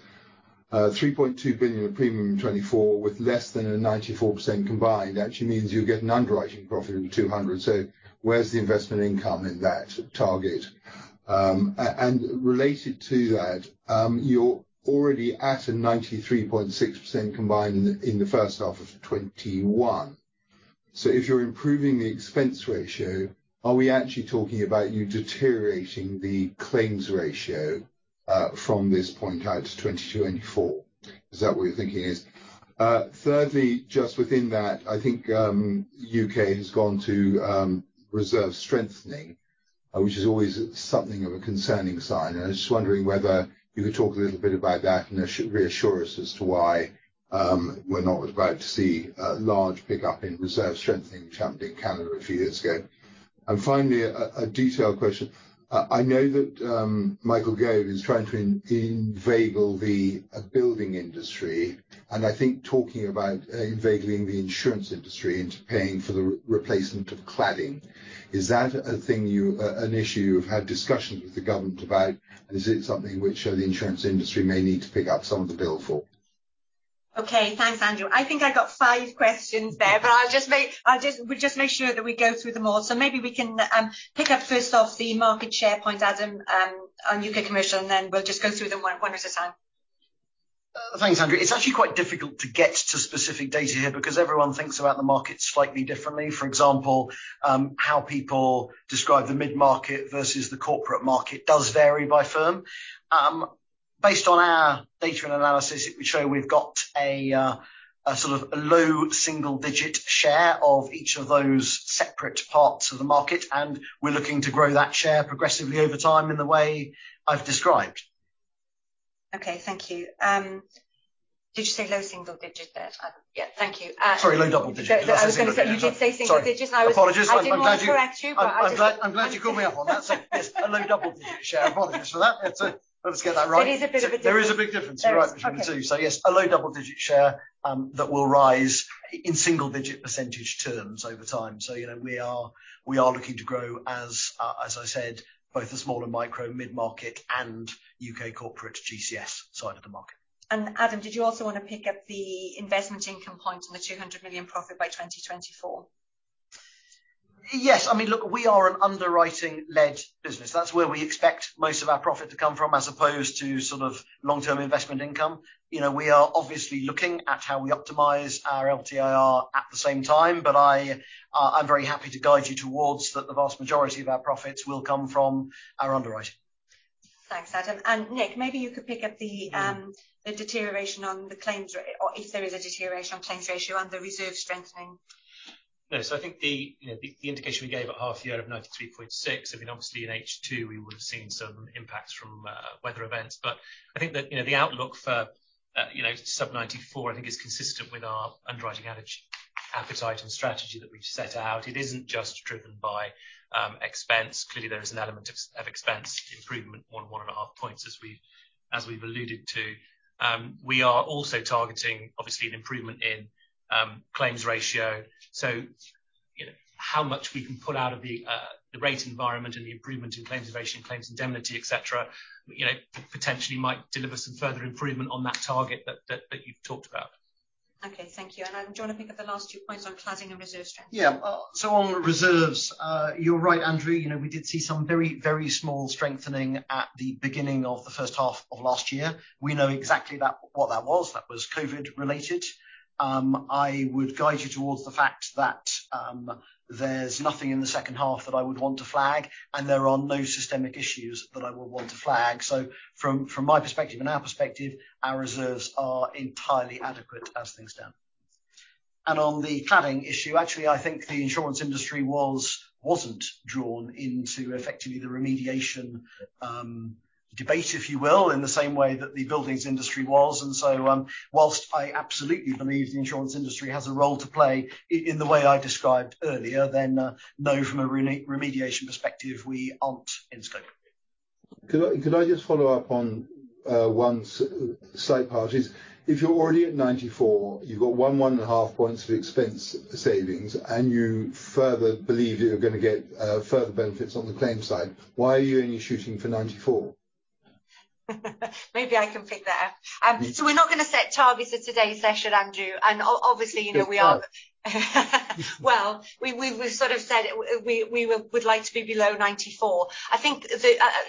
3.2 billion of premium in 2024 with less than a 94% combined actually means you get an underwriting profit of 200 million. So where's the investment income in that target? And related to that, you're already at a 93.6% combined in the first half of 2021. So if you're improving the expense ratio, are we actually talking about you deteriorating the claims ratio from this point out to 2024? Is that what you're thinking? Thirdly, just within that, I think UK has gone to reserve strengthening, which is always something of a concerning sign. And I was just wondering whether you could talk a little bit about that and reassure us as to why we're not about to see a large pickup in reserve strengthening, which happened in Canada a few years ago. And finally, a detailed question. I know that Michael Gove is trying to inveigle the building industry, and I think talking about inveigling the insurance industry into paying for the replacement of cladding. Is that an issue you've had discussions with the government about? And is it something which the insurance industry may need to pick up some of the bill for? Okay. Thanks, Andrew. I think I got 5 questions there, but I'll just make sure that we go through them all. So maybe we can pick up first off the market share point, Adam, on UK commercial, and then we'll just go through them one at a time. Thanks, Andrew. It's actually quite difficult to get to specific data here because everyone thinks about the market slightly differently. For example, how people describe the mid-market versus the corporate market does vary by firm. Based on our data and analysis, it would show we've got a sort of low single-digit share of each of those separate parts of the market, and we're looking to grow that share progressively over time in the way I've described. Okay. Thank you. Did you say low single digit there? Yeah. Thank you. Sorry, low double digit. Sorry. I was going to say you did say single digit. I apologize. I'm glad you corrected me, but I'm glad you caught me up on that. So yes, a low double-digit share. Apologies for that. Let's get that right. There is a bit of a difference. There is a big difference. You're right, between the two. So yes, a low double-digit share that will rise in single-digit percentage terms over time. So we are looking to grow, as I said, both the small and micro mid-market and UK corporate GCS side of the market. And Adam, did you also want to pick up the investment income point on the 200 million profit by 2024? Yes. I mean, look, we are an underwriting-led business. That's where we expect most of our profit to come from as opposed to sort of long-term investment income. We are obviously looking at how we optimize our LTIR at the same time, but I'm very happy to guide you towards that the vast majority of our profits will come from our underwriting. Thanks, Adam. And Nick, maybe you could pick up the deterioration on the claims rate, or if there is a deterioration on claims ratio and the reserve strengthening. Yes. I think the indication we gave at half year of 93.6, I mean, obviously in H2, we would have seen some impacts from weather events. But I think that the outlook for sub-94, I think, is consistent with our underwriting appetite and strategy that we've set out. It isn't just driven by expense. Clearly, there is an element of expense improvement, 1.5 points as we've alluded to. We are also targeting, obviously, an improvement in claims ratio. So how much we can pull out of the rate environment and the improvement in claims ratio, claims indemnity, etc., potentially might deliver some further improvement on that target that you've talked about. Okay. Thank you. And I'm going to pick up the last few points on cladding and reserve strengthening. Yeah. So on reserves, you're right, Andrew. We did see some very, very small strengthening at the beginning of the first half of last year. We know exactly what that was. That was COVID-related. I would guide you towards the fact that there's nothing in the second half that I would want to flag, and there are no systemic issues that I would want to flag. So from my perspective and our perspective, our reserves are entirely adequate as things stand. On the cladding issue, actually, I think the insurance industry wasn't drawn into effectively the remediation debate, if you will, in the same way that the buildings industry was. And so while I absolutely believe the insurance industry has a role to play in the way I described earlier, then no, from a remediation perspective, we aren't in scope. Could I just follow up on one side part? If you're already at 94, you've got 1, 1.5 points of expense savings, and you further believe that you're going to get further benefits on the claim side, why are you only shooting for 94? Maybe I can pick that up. So we're not going to set targets at today's session, Andrew. And obviously, we are well, we've sort of said we would like to be below 94. I think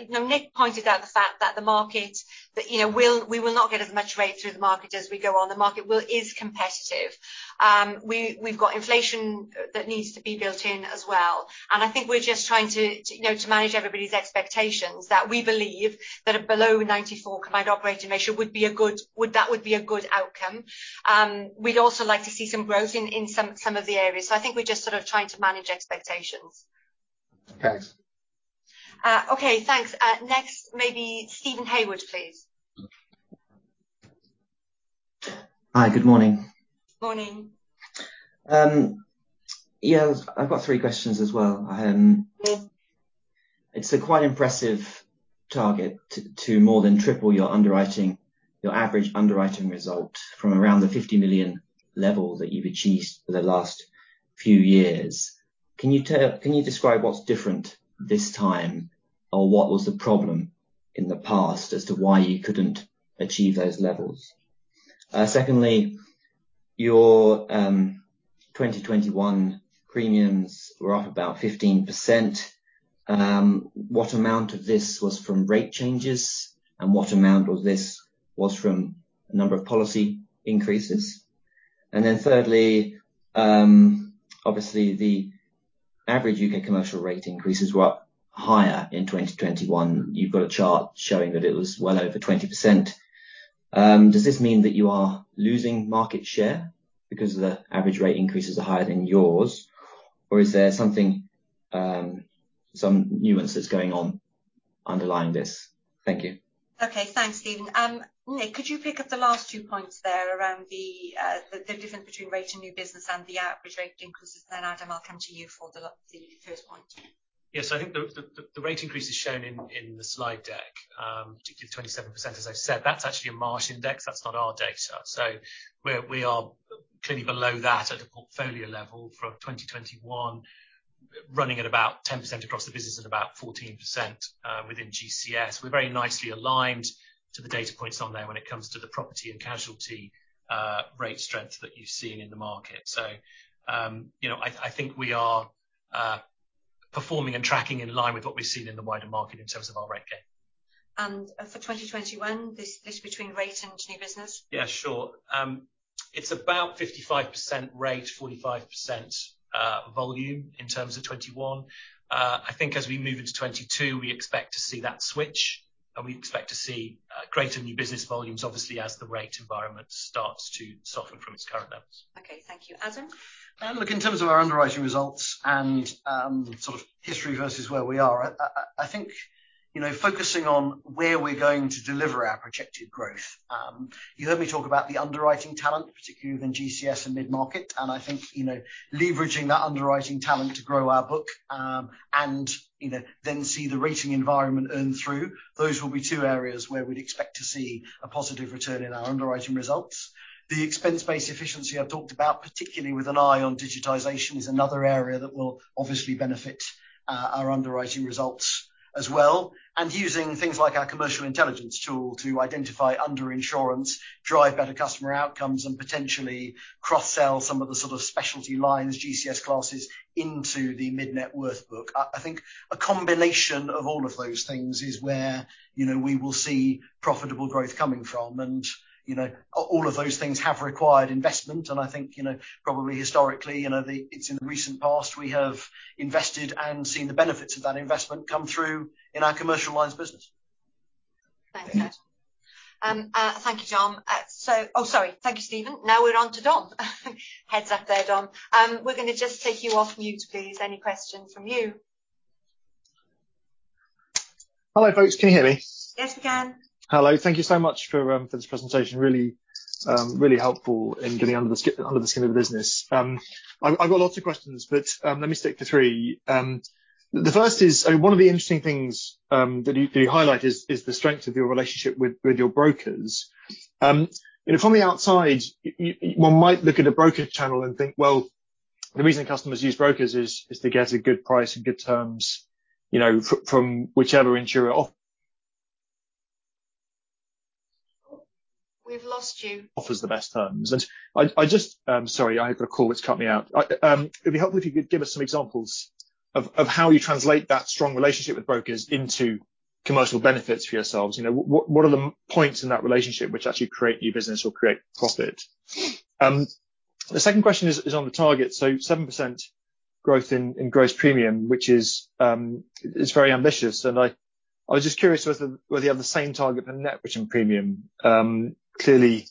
Nick pointed out the fact that the market, that we will not get as much rate through the market as we go on. The market is competitive. We've got inflation that needs to be built in as well. I think we're just trying to manage everybody's expectations that we believe that a below 94 combined operating ratio would be a good that would be a good outcome. We'd also like to see some growth in some of the areas. So I think we're just sort of trying to manage expectations. Okay. Okay. Thanks. Next, maybe Steven Haywood, please. Hi. Good morning. Morning. Yeah. I've got three questions as well. It's a quite impressive target to more than triple your average underwriting result from around the 50 million level that you've achieved for the last few years. Can you describe what's different this time, or what was the problem in the past as to why you couldn't achieve those levels? Secondly, your 2021 premiums were up about 15%. What amount of this was from rate changes, and what amount of this was from a number of policy increases? And then thirdly, obviously, the average UK commercial rate increases were higher in 2021. You've got a chart showing that it was well over 20%. Does this mean that you are losing market share because the average rate increases are higher than yours, or is there some nuance that's going on underlying this? Thank you. Okay. Thanks, Steven. Nick, could you pick up the last two points there around the difference between rate and new business and the average rate increases? Then, Adam, I'll come to you for the first point. Yes. I think the rate increase is shown in the slide deck, particularly the 27%, as I've said. That's actually a Marsh index. That's not our data. So we are clearly below that at a portfolio level from 2021, running at about 10% across the business and about 14% within GCS. We're very nicely aligned to the data points on there when it comes to the property and casualty rate strength that you've seen in the market. So I think we are performing and tracking in line with what we've seen in the wider market in terms of our rate gain. And for 2021, this between rate and new business? Yeah. Sure. It's about 55% rate, 45% volume in terms of 2021. I think as we move into 2022, we expect to see that switch, and we expect to see greater new business volumes, obviously, as the rate environment starts to soften from its current levels. Okay. Thank you. Adam? Look, in terms of our underwriting results and sort of history versus where we are, I think focusing on where we're going to deliver our projected growth. You heard me talk about the underwriting talent, particularly within GCS and mid-market. And I think leveraging that underwriting talent to grow our book and then see the rating environment earn through, those will be two areas where we'd expect to see a positive return in our underwriting results. The expense-based efficiency I've talked about, particularly with an eye on digitization, is another area that will obviously benefit our underwriting results as well. And using things like our commercial intelligence tool to identify underinsurance, drive better customer outcomes, and potentially cross-sell some of the sort of specialty lines, GCS classes into the mid-net worth book. I think a combination of all of those things is where we will see profitable growth coming from. And all of those things have required investment. And I think probably historically, it's in the recent past we have invested and seen the benefits of that investment come through in our commercial lines business. Thanks, Adam. Thank you, John. Oh, sorry. Thank you, Stephen. Now we're on to Dom. Heads up there, Dom. We're going to just take you off mute, please. Any questions from you? Hello, folks. Can you hear me? Yes, we can. Hello. Thank you so much for this presentation. Really, really helpful in getting under the skin of the business. I've got lots of questions, but let me stick to 3. The first is, one of the interesting things that you highlight is the strength of your relationship with your brokers. From the outside, one might look at a brokerage channel and think, "Well, the reason customers use brokers is to get a good price and good terms from whichever insurer offers." We've lost you. Offers the best terms. And sorry, I had a call that's cut me out. It'd be helpful if you could give us some examples of how you translate that strong relationship with brokers into commercial benefits for yourselves. What are the points in that relationship which actually create new business or create profit? The second question is on the target. So 7% growth in gross premium, which is very ambitious. And I was just curious whether you have the same target for net premium. Clearly,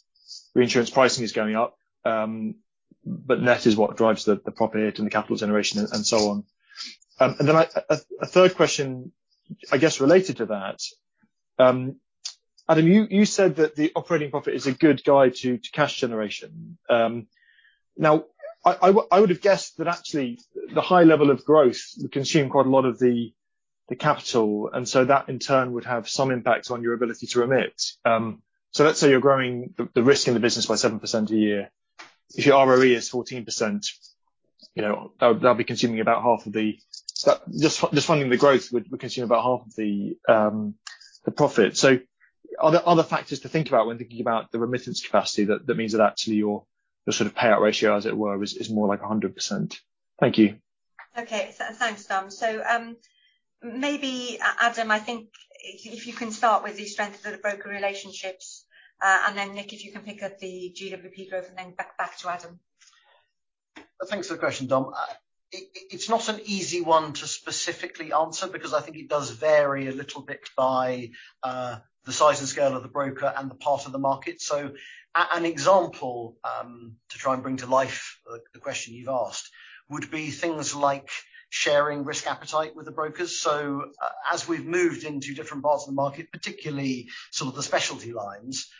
reinsurance pricing is going up, but net is what drives the profit and the capital generation and so on. And then a third question, I guess related to that. Adam, you said that the operating profit is a good guide to cash generation. Now, I would have guessed that actually the high level of growth would consume quite a lot of the capital, and so that in turn would have some impact on your ability to remit. So let's say you're growing the risk in the business by 7% a year. If your ROE is 14%, that'll be consuming about half of the just funding the growth would consume about half of the profit. So are there other factors to think about when thinking about the remittance capacity that means that actually your sort of payout ratio, as it were, is more like 100%? Thank you. Okay. Thanks, Dom. So maybe, Adam, I think if you can start with the strength of the broker relationships. And then, Nick, if you can pick up the GWP growth and then back to Adam. Thanks for the question, Dom. It's not an easy one to specifically answer because I think it does vary a little bit by the size and scale of the broker and the part of the market. So an example to try and bring to life the question you've asked would be things like sharing risk appetite with the brokers. So as we've moved into different parts of the market, particularly sort of the specialty lines,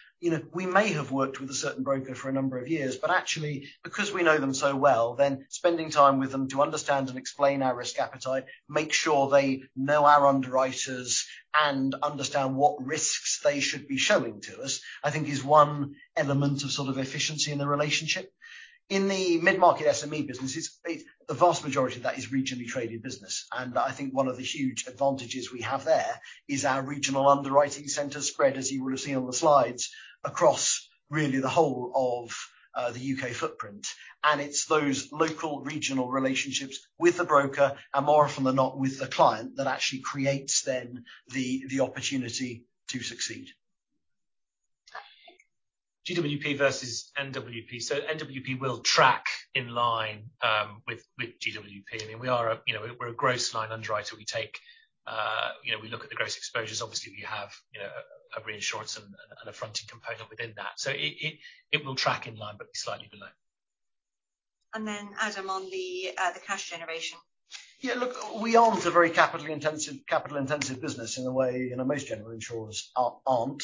we may have worked with a certain broker for a number of years, but actually, because we know them so well, then spending time with them to understand and explain our risk appetite, make sure they know our underwriters, and understand what risks they should be showing to us, I think is one element of sort of efficiency in the relationship. In the mid-market SME businesses, the vast majority of that is regionally traded business. And I think one of the huge advantages we have there is our regional underwriting center spread, as you will have seen on the slides, across really the whole of the U.K. footprint. And it's those local regional relationships with the broker and more often than not with the client that actually creates then the opportunity to succeed. GWP versus NWP. So NWP will track in line with GWP. I mean, we're a gross line underwriter. We take, we look at the gross exposures. Obviously, we have a reinsurance and a fronting component within that. So it will track in line, but be slightly below. And then, Adam, on the cash generation. Yeah. Look, we aren't a very capital-intensive business in the way most general insurers aren't.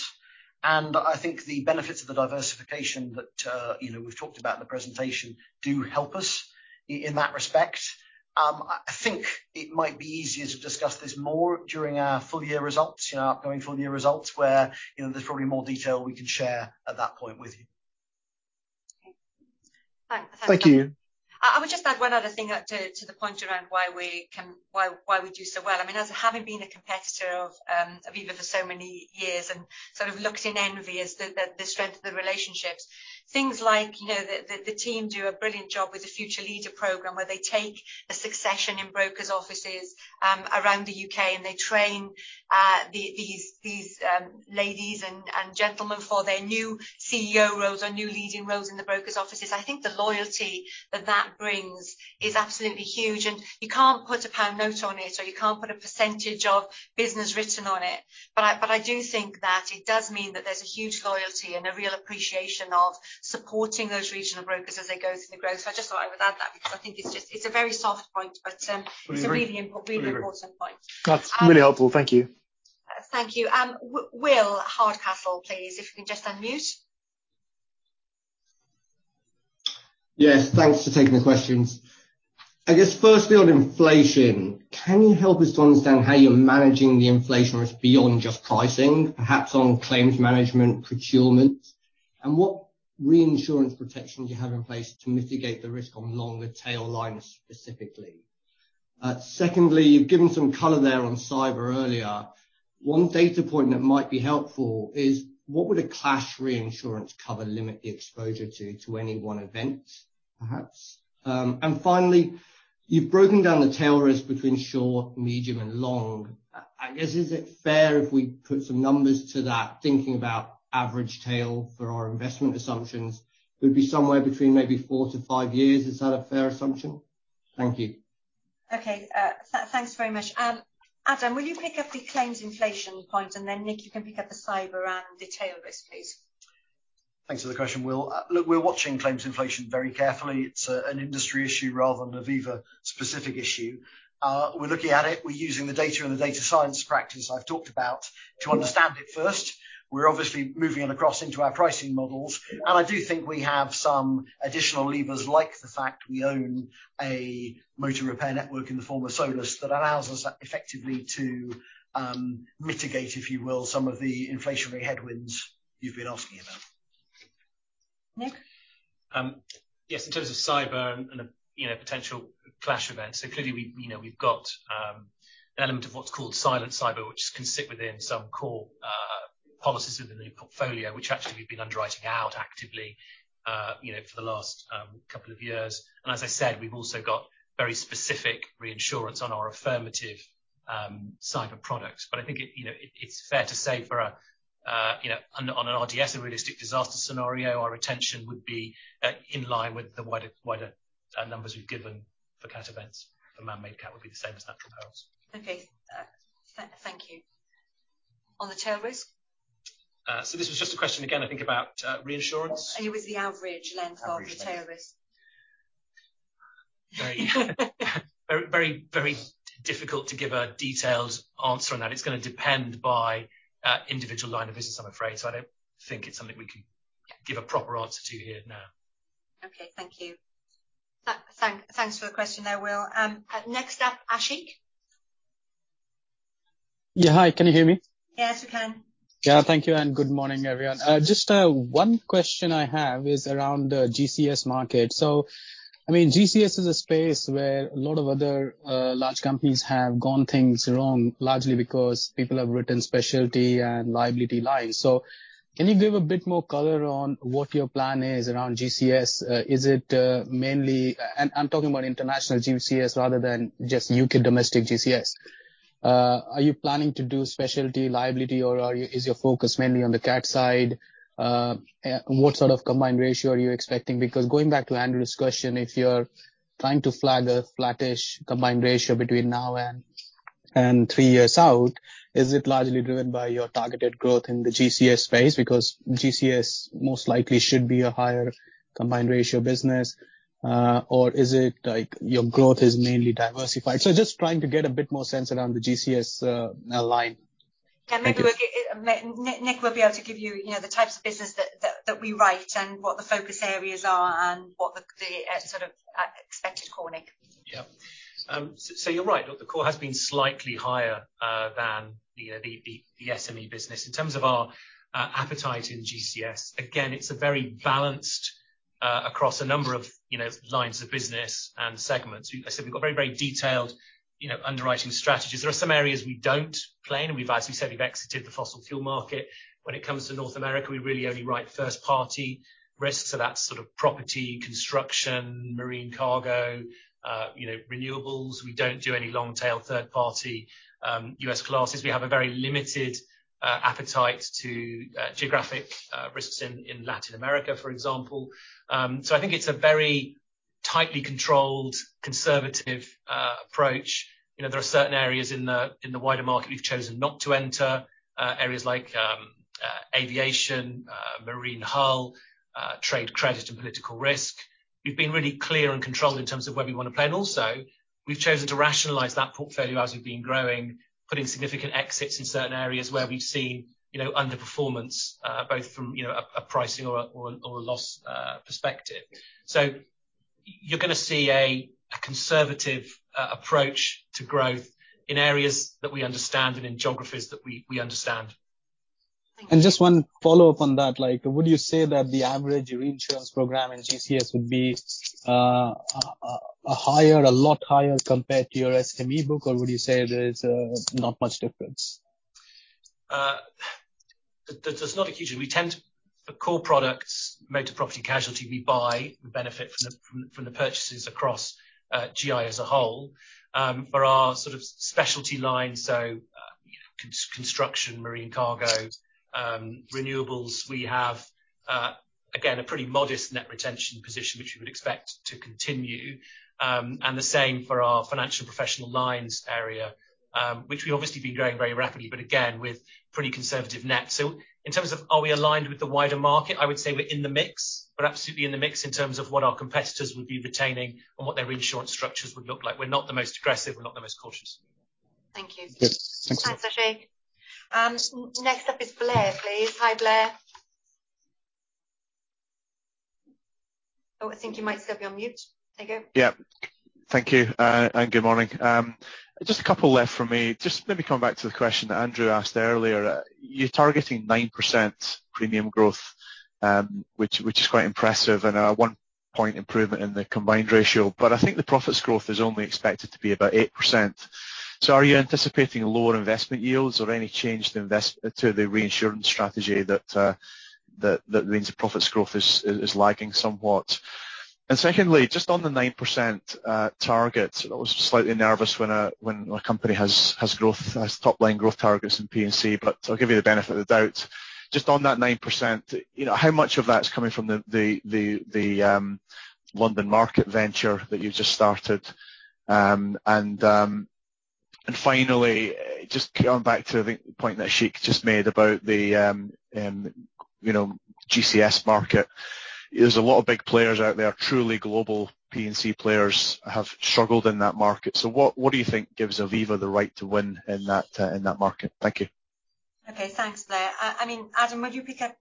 And I think the benefits of the diversification that we've talked about in the presentation do help us in that respect. I think it might be easier to discuss this more during our full-year results, our upcoming full-year results, where there's probably more detail we can share at that point with you. Thank you. I would just add one other thing to the point around why we do so well. I mean, as having been a competitor of Aviva for so many years and sort of looked in envy at the strength of the relationships, things like the team do a brilliant job with the Future Leader Program where they take a succession in brokers' offices around the UK, and they train these ladies and gentlemen for their new CEO roles or new leading roles in the brokers' offices. I think the loyalty that that brings is absolutely huge. And you can't put a pound note on it, or you can't put a percentage of business written on it. But I do think that it does mean that there's a huge loyalty and a real appreciation of supporting those regional brokers as they go through the growth. So I just thought I would add that because I think it's a very soft point, but it's a really important point. That's really helpful. Thank you. Thank you. Will Hardcastle, please, if you can just unmute. Yes. Thanks for taking the questions. I guess firstly, on inflation, can you help us to understand how you're managing the inflation risk beyond just pricing, perhaps on claims management, procurement, and what reinsurance protection you have in place to mitigate the risk on longer tail lines specifically? Secondly, you've given some color there on cyber earlier. One data point that might be helpful is, what would a clash reinsurance cover limit the exposure to, to any one event, perhaps? And finally, you've broken down the tail risk between short, medium, and long. I guess, is it fair if we put some numbers to that, thinking about average tail for our investment assumptions? It would be somewhere between maybe four to five years? Is that a fair assumption? Thank you. Okay. Thanks very much. Adam, will you pick up the claims inflation point, and then Nick, you can pick up the cyber and the tail risk, please? Thanks for the question, Will. Look, we're watching claims inflation very carefully. It's an industry issue rather than an Aviva-specific issue. We're looking at it. We're using the data and the data science practice I've talked about to understand it first. We're obviously moving it across into our pricing models. And I do think we have some additional levers, like the fact we own a motor repair network in the form of Solus, that allows us effectively to mitigate, if you will, some of the inflationary headwinds you've been asking about. Nick? Yes. In terms of cyber and potential clash events, so clearly we've got an element of what's called silent cyber, which can sit within some core policies within the new portfolio, which actually we've been underwriting out actively for the last couple of years. And as I said, we've also got very specific reinsurance on our affirmative cyber products. But I think it's fair to say for an RDS, a realistic disaster scenario, our retention would be in line with the wider numbers we've given for cat events. The man-made cat would be the same as natural perils. Okay. Thank you. On the tail risk? So this was just a question again, I think, about reinsurance. And it was the average length of the tail risk. Very, very difficult to give a detailed answer on that. It's going to depend by individual line of business, I'm afraid. So I don't think it's something we can give a proper answer to here now. Okay. Thank you. Thanks for the question there, Will. Next up, Ashik. Yeah. Hi. Can you hear me? Yes, we can. Yeah. Thank you. And good morning, everyone. Just one question I have is around the GCS market. So I mean, GCS is a space where a lot of other large companies have gone things wrong, largely because people have written specialty and liability lines. So can you give a bit more color on what your plan is around GCS? Is it mainly, and I'm talking about international GCS rather than just UK domestic GCS, are you planning to do specialty liability, or is your focus mainly on the cat side? What sort of combined ratio are you expecting? Because, going back to Andrew's question, if you're trying to flag a flattish combined ratio between now and three years out, is it largely driven by your targeted growth in the GCS space? Because GCS most likely should be a higher combined ratio business, or is it like your growth is mainly diversified? So just trying to get a bit more sense around the GCS line. Can we do a Nick will be able to give you the types of business that we write and what the focus areas are and what the sort of expected core, Nick? Yeah. So you're right. Look, the core has been slightly higher than the SME business. In terms of our appetite in GCS, again, it's a very balanced across a number of lines of business and segments. I said we've got very, very detailed underwriting strategies. There are some areas we don't claim. We've said we've exited the fossil fuel market. When it comes to North America, we really only write first-party risks. So that's sort of property, construction, marine cargo, renewables. We don't do any long-tail third-party US classes. We have a very limited appetite to geographic risks in Latin America, for example. So I think it's a very tightly controlled, conservative approach. There are certain areas in the wider market we've chosen not to enter, areas like aviation, marine hull, trade credit, and political risk. We've been really clear and controlled in terms of where we want to play. And also, we've chosen to rationalize that portfolio as we've been growing, putting significant exits in certain areas where we've seen underperformance, both from a pricing or a loss perspective. So you're going to see a conservative approach to growth in areas that we understand and in geographies that we understand. Just one follow-up on that. Would you say that the average reinsurance program in GCS would be a lot higher compared to your SME book, or would you say there's not much difference? There's not a huge. We tend to core products, motor, property, casualty. We buy. We benefit from the purchases across GI as a whole. For our sort of specialty lines, so construction, marine cargo, renewables, we have, again, a pretty modest net retention position, which we would expect to continue. And the same for our financial professional lines area, which we've obviously been growing very rapidly, but again, with pretty conservative nets. So in terms of are we aligned with the wider market, I would say we're in the mix. We're absolutely in the mix in terms of what our competitors would be retaining and what their reinsurance structures would look like. We're not the most aggressive. We're not the most cautious. Thank you. Thanks, Ashik. Next up is Blair, please. Hi, Blair. Oh, I think you might still be on mute. There you go. Yeah. Thank you. And good morning. Just a couple left for me. Just maybe coming back to the question that Andrew asked earlier, you're targeting 9% premium growth, which is quite impressive and a one-point improvement in the combined ratio. But I think the profits growth is only expected to be about 8%. So are you anticipating lower investment yields or any change to the reinsurance strategy that means the profits growth is lagging somewhat? And secondly, just on the 9% target, I was slightly nervous when a company has top-line growth targets in P&C, but I'll give you the benefit of the doubt. Just on that 9%, how much of that's coming from the London market venture that you've just started? Finally, just going back to the point that Ashik just made about the GCS market, there's a lot of big players out there, truly global P&C players have struggled in that market. So what do you think gives Aviva the right to win in that market? Thank you. Okay. Thanks, Blair. I mean, Adam, would you pick up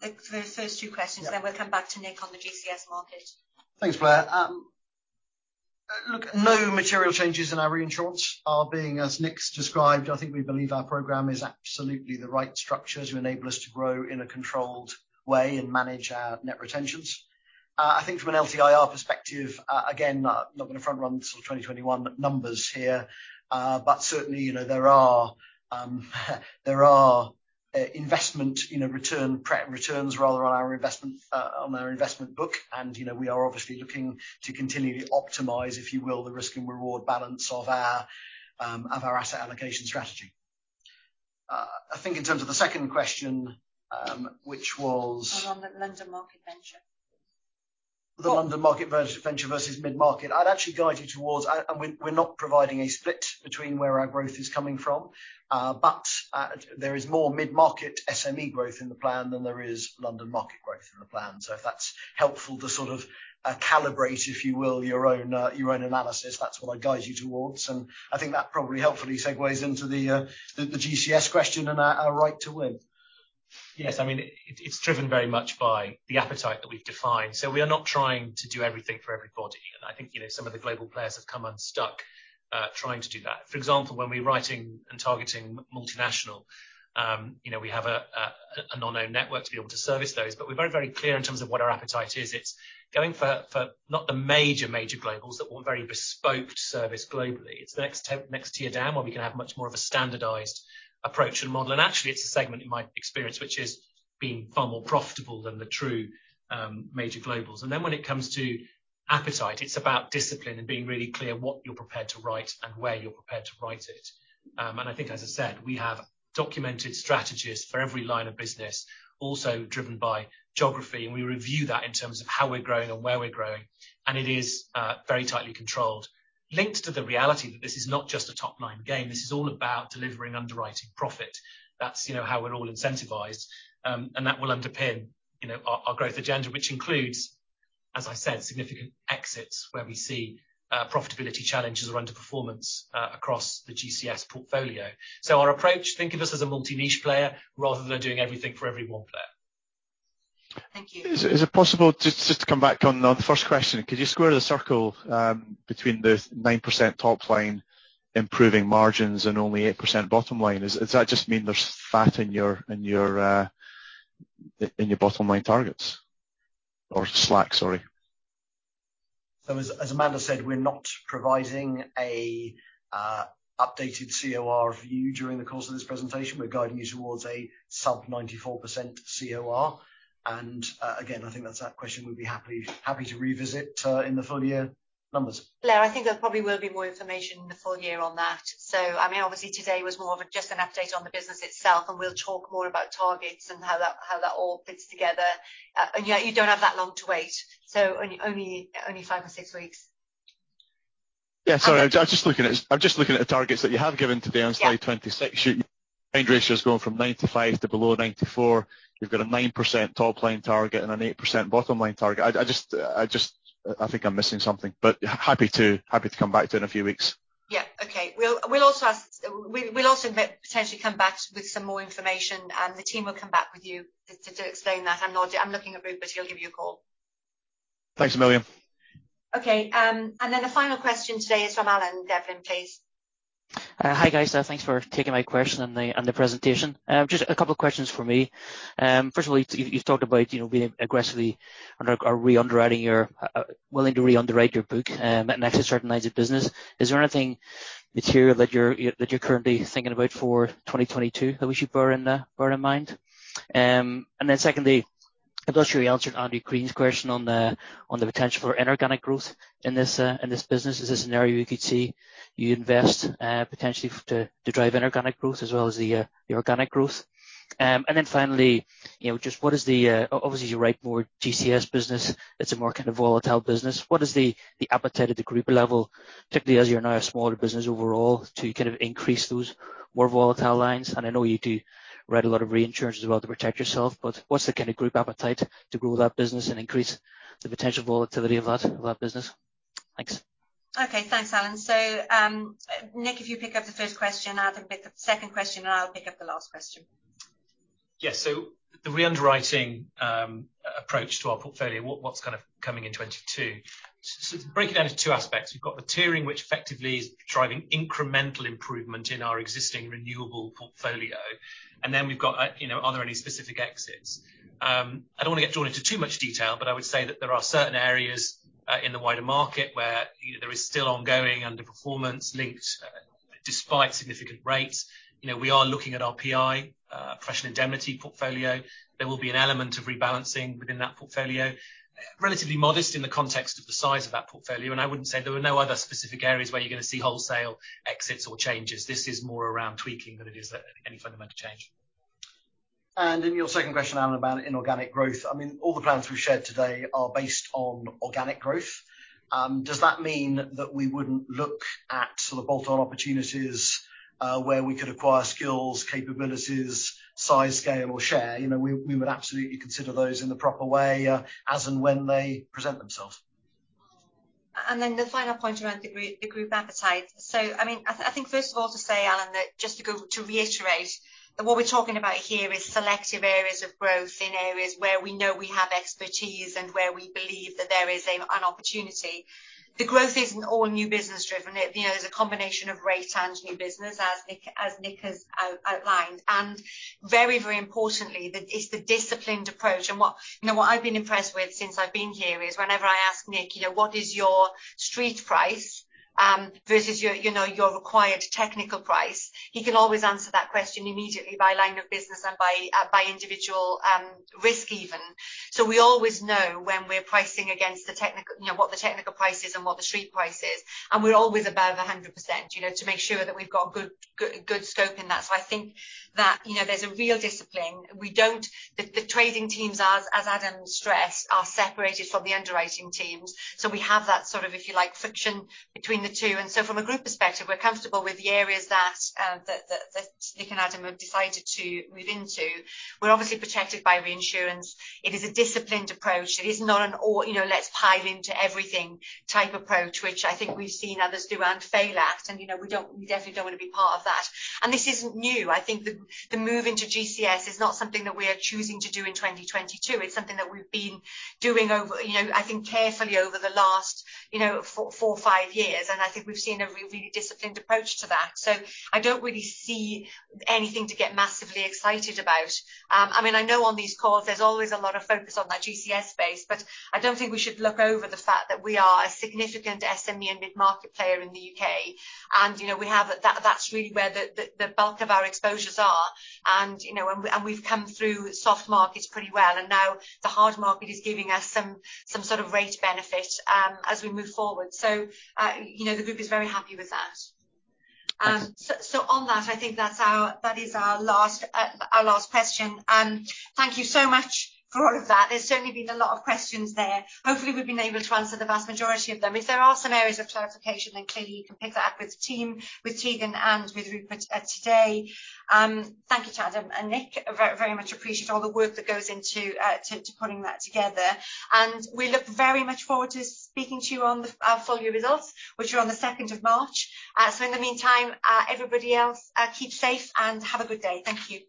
the first two questions, and then we'll come back to Nick on the GCS market? Thanks, Blair. Look, no material changes in our reinsurance are being, as Nick's described. I think we believe our program is absolutely the right structure to enable us to grow in a controlled way and manage our net retentions. I think from an LTIR perspective, again, not going to front-run sort of 2021 numbers here, but certainly there are investment returns rather on our investment book. We are obviously looking to continue to optimize, if you will, the risk and reward balance of our asset allocation strategy. I think in terms of the second question, which was the London market venture. The London market venture versus mid-market. I'd actually guide you towards, and we're not providing a split between where our growth is coming from, but there is more mid-market SME growth in the plan than there is London market growth in the plan. So if that's helpful to sort of calibrate, if you will, your own analysis, that's what I'd guide you towards. And I think that probably helpfully segues into the GCS question and our right to win. Yes. I mean, it's driven very much by the appetite that we've defined. So we are not trying to do everything for everybody. And I think some of the global players have come unstuck trying to do that. For example, when we're writing and targeting multinational, we have a non-owned network to be able to service those. But we're very, very clear in terms of what our appetite is. It's going for not the major, major globals that want very bespoke service globally. It's the next tier down where we can have much more of a standardized approach and model. And actually, it's a segment, in my experience, which is being far more profitable than the true major globals. And then when it comes to appetite, it's about discipline and being really clear what you're prepared to write and where you're prepared to write it. And I think, as I said, we have documented strategies for every line of business, also driven by geography. We review that in terms of how we're growing and where we're growing. It is very tightly controlled, linked to the reality that this is not just a top-line game. This is all about delivering underwriting profit. That's how we're all incentivized. That will underpin our growth agenda, which includes, as I said, significant exits where we see profitability challenges or underperformance across the GCS portfolio. So our approach, think of us as a multi-niche player rather than doing everything for every one player. Thank you. Is it possible to just come back on the first question? Could you square the circle between the 9% top-line improving margins and only 8% bottom line? Does that just mean there's fat in your bottom-line targets or slack, sorry? So as Amanda said, we're not providing an updated COR view during the course of this presentation. We're guiding you towards a sub-94% COR. Again, I think that's that question we'd be happy to revisit in the full year numbers. Blair, I think there probably will be more information in the full year on that. So I mean, obviously, today was more of just an update on the business itself. And we'll talk more about targets and how that all fits together. And yeah, you don't have that long to wait. So only 5 or 6 weeks. Yeah. Sorry. I'm just looking at targets that you have given today on slide 26. Your COR is going from 95 to below 94. You've got a 9% top-line target and an 8% bottom-line target. I think I'm missing something, but happy to come back to it in a few weeks. Yeah. Okay. We'll also invite potentially come back with some more information. And the team will come back with you to explain that. I'm looking at Rupert. He'll give you a call. Thanks, Amelia. Okay. And then the final question today is from Alan Devlin, please. Hi, guys. Thanks for taking my question and the presentation. Just a couple of questions for me. First of all, you've talked about being aggressively re-underwriting your willing to re-underwrite your book and access certain lines of business. Is there anything material that you're currently thinking about for 2022 that we should bear in mind? And then secondly, I'm not sure you answered Andrew Crean question on the potential for inorganic growth in this business. Is this an area you could see you invest potentially to drive inorganic growth as well as the organic growth? And then finally, just what is the obviously, you write more GCS business. It's a more kind of volatile business. What is the appetite at the group level, particularly as you're now a smaller business overall, to kind of increase those more volatile lines? And I know you do write a lot of reinsurance as well to protect yourself, but what's the kind of group appetite to grow that business and increase the potential volatility of that business? Thanks. Okay. Thanks, Alan. So Nick, if you pick up the first question, I'll then pick up the second question, and I'll pick up the last question. Yeah. So the re-underwriting approach to our portfolio, what's kind of coming in 2022? So break it down into two aspects. We've got the tiering, which effectively is driving incremental improvement in our existing renewable portfolio. And then we've got, are there any specific exits? I don't want to get drawn into too much detail, but I would say that there are certain areas in the wider market where there is still ongoing underperformance linked despite significant rates. We are looking at our PI, professional indemnity portfolio. There will be an element of rebalancing within that portfolio, relatively modest in the context of the size of that portfolio. I wouldn't say there were no other specific areas where you're going to see wholesale exits or changes. This is more around tweaking than it is any fundamental change. Then your second question, Alan, about inorganic growth. I mean, all the plans we've shared today are based on organic growth. Does that mean that we wouldn't look at sort of bolt-on opportunities where we could acquire skills, capabilities, size scale, or share? We would absolutely consider those in the proper way as and when they present themselves. And then the final point around the group appetite. So I mean, I think first of all to say, Alan, that just to reiterate that what we're talking about here is selective areas of growth in areas where we know we have expertise and where we believe that there is an opportunity. The growth isn't all new business-driven. There's a combination of rate and new business, as Nick has outlined. And very, very importantly, it's the disciplined approach. And what I've been impressed with since I've been here is whenever I ask Nick, "What is your street price versus your required technical price?" He can always answer that question immediately by line of business and by individual risk even. So we always know when we're pricing against what the technical price is and what the street price is. And we're always above 100% to make sure that we've got good scope in that. So I think that there's a real discipline. The trading teams, as Adam stressed, are separated from the underwriting teams. So we have that sort of, if you like, friction between the two. And so from a group perspective, we're comfortable with the areas that Nick and Adam have decided to move into. We're obviously protected by reinsurance. It is a disciplined approach. It is not an all-let's pile into everything type approach, which I think we've seen others do and fail at. And we definitely don't want to be part of that. And this isn't new. I think the move into GCS is not something that we are choosing to do in 2022. It's something that we've been doing, I think, carefully over the last four or five years. I think we've seen a really disciplined approach to that. So I don't really see anything to get massively excited about. I mean, I know on these calls, there's always a lot of focus on that GCS space, but I don't think we should overlook the fact that we are a significant SME and mid-market player in the UK. And that's really where the bulk of our exposures are. And we've come through soft markets pretty well. And now the hard market is giving us some sort of rate benefit as we move forward. So the group is very happy with that. So on that, I think that is our last question. Thank you so much for all of that. There's certainly been a lot of questions there. Hopefully, we've been able to answer the vast majority of them. If there are some areas of clarification, then clearly you can pick that up with the team, with Tegan, and with Rupert today. Thank you, Adam and Nick. I very much appreciate all the work that goes into putting that together. And we look very much forward to speaking to you on the full year results, which are on the 2nd of March. In the meantime, everybody else, keep safe and have a good day. Thank you.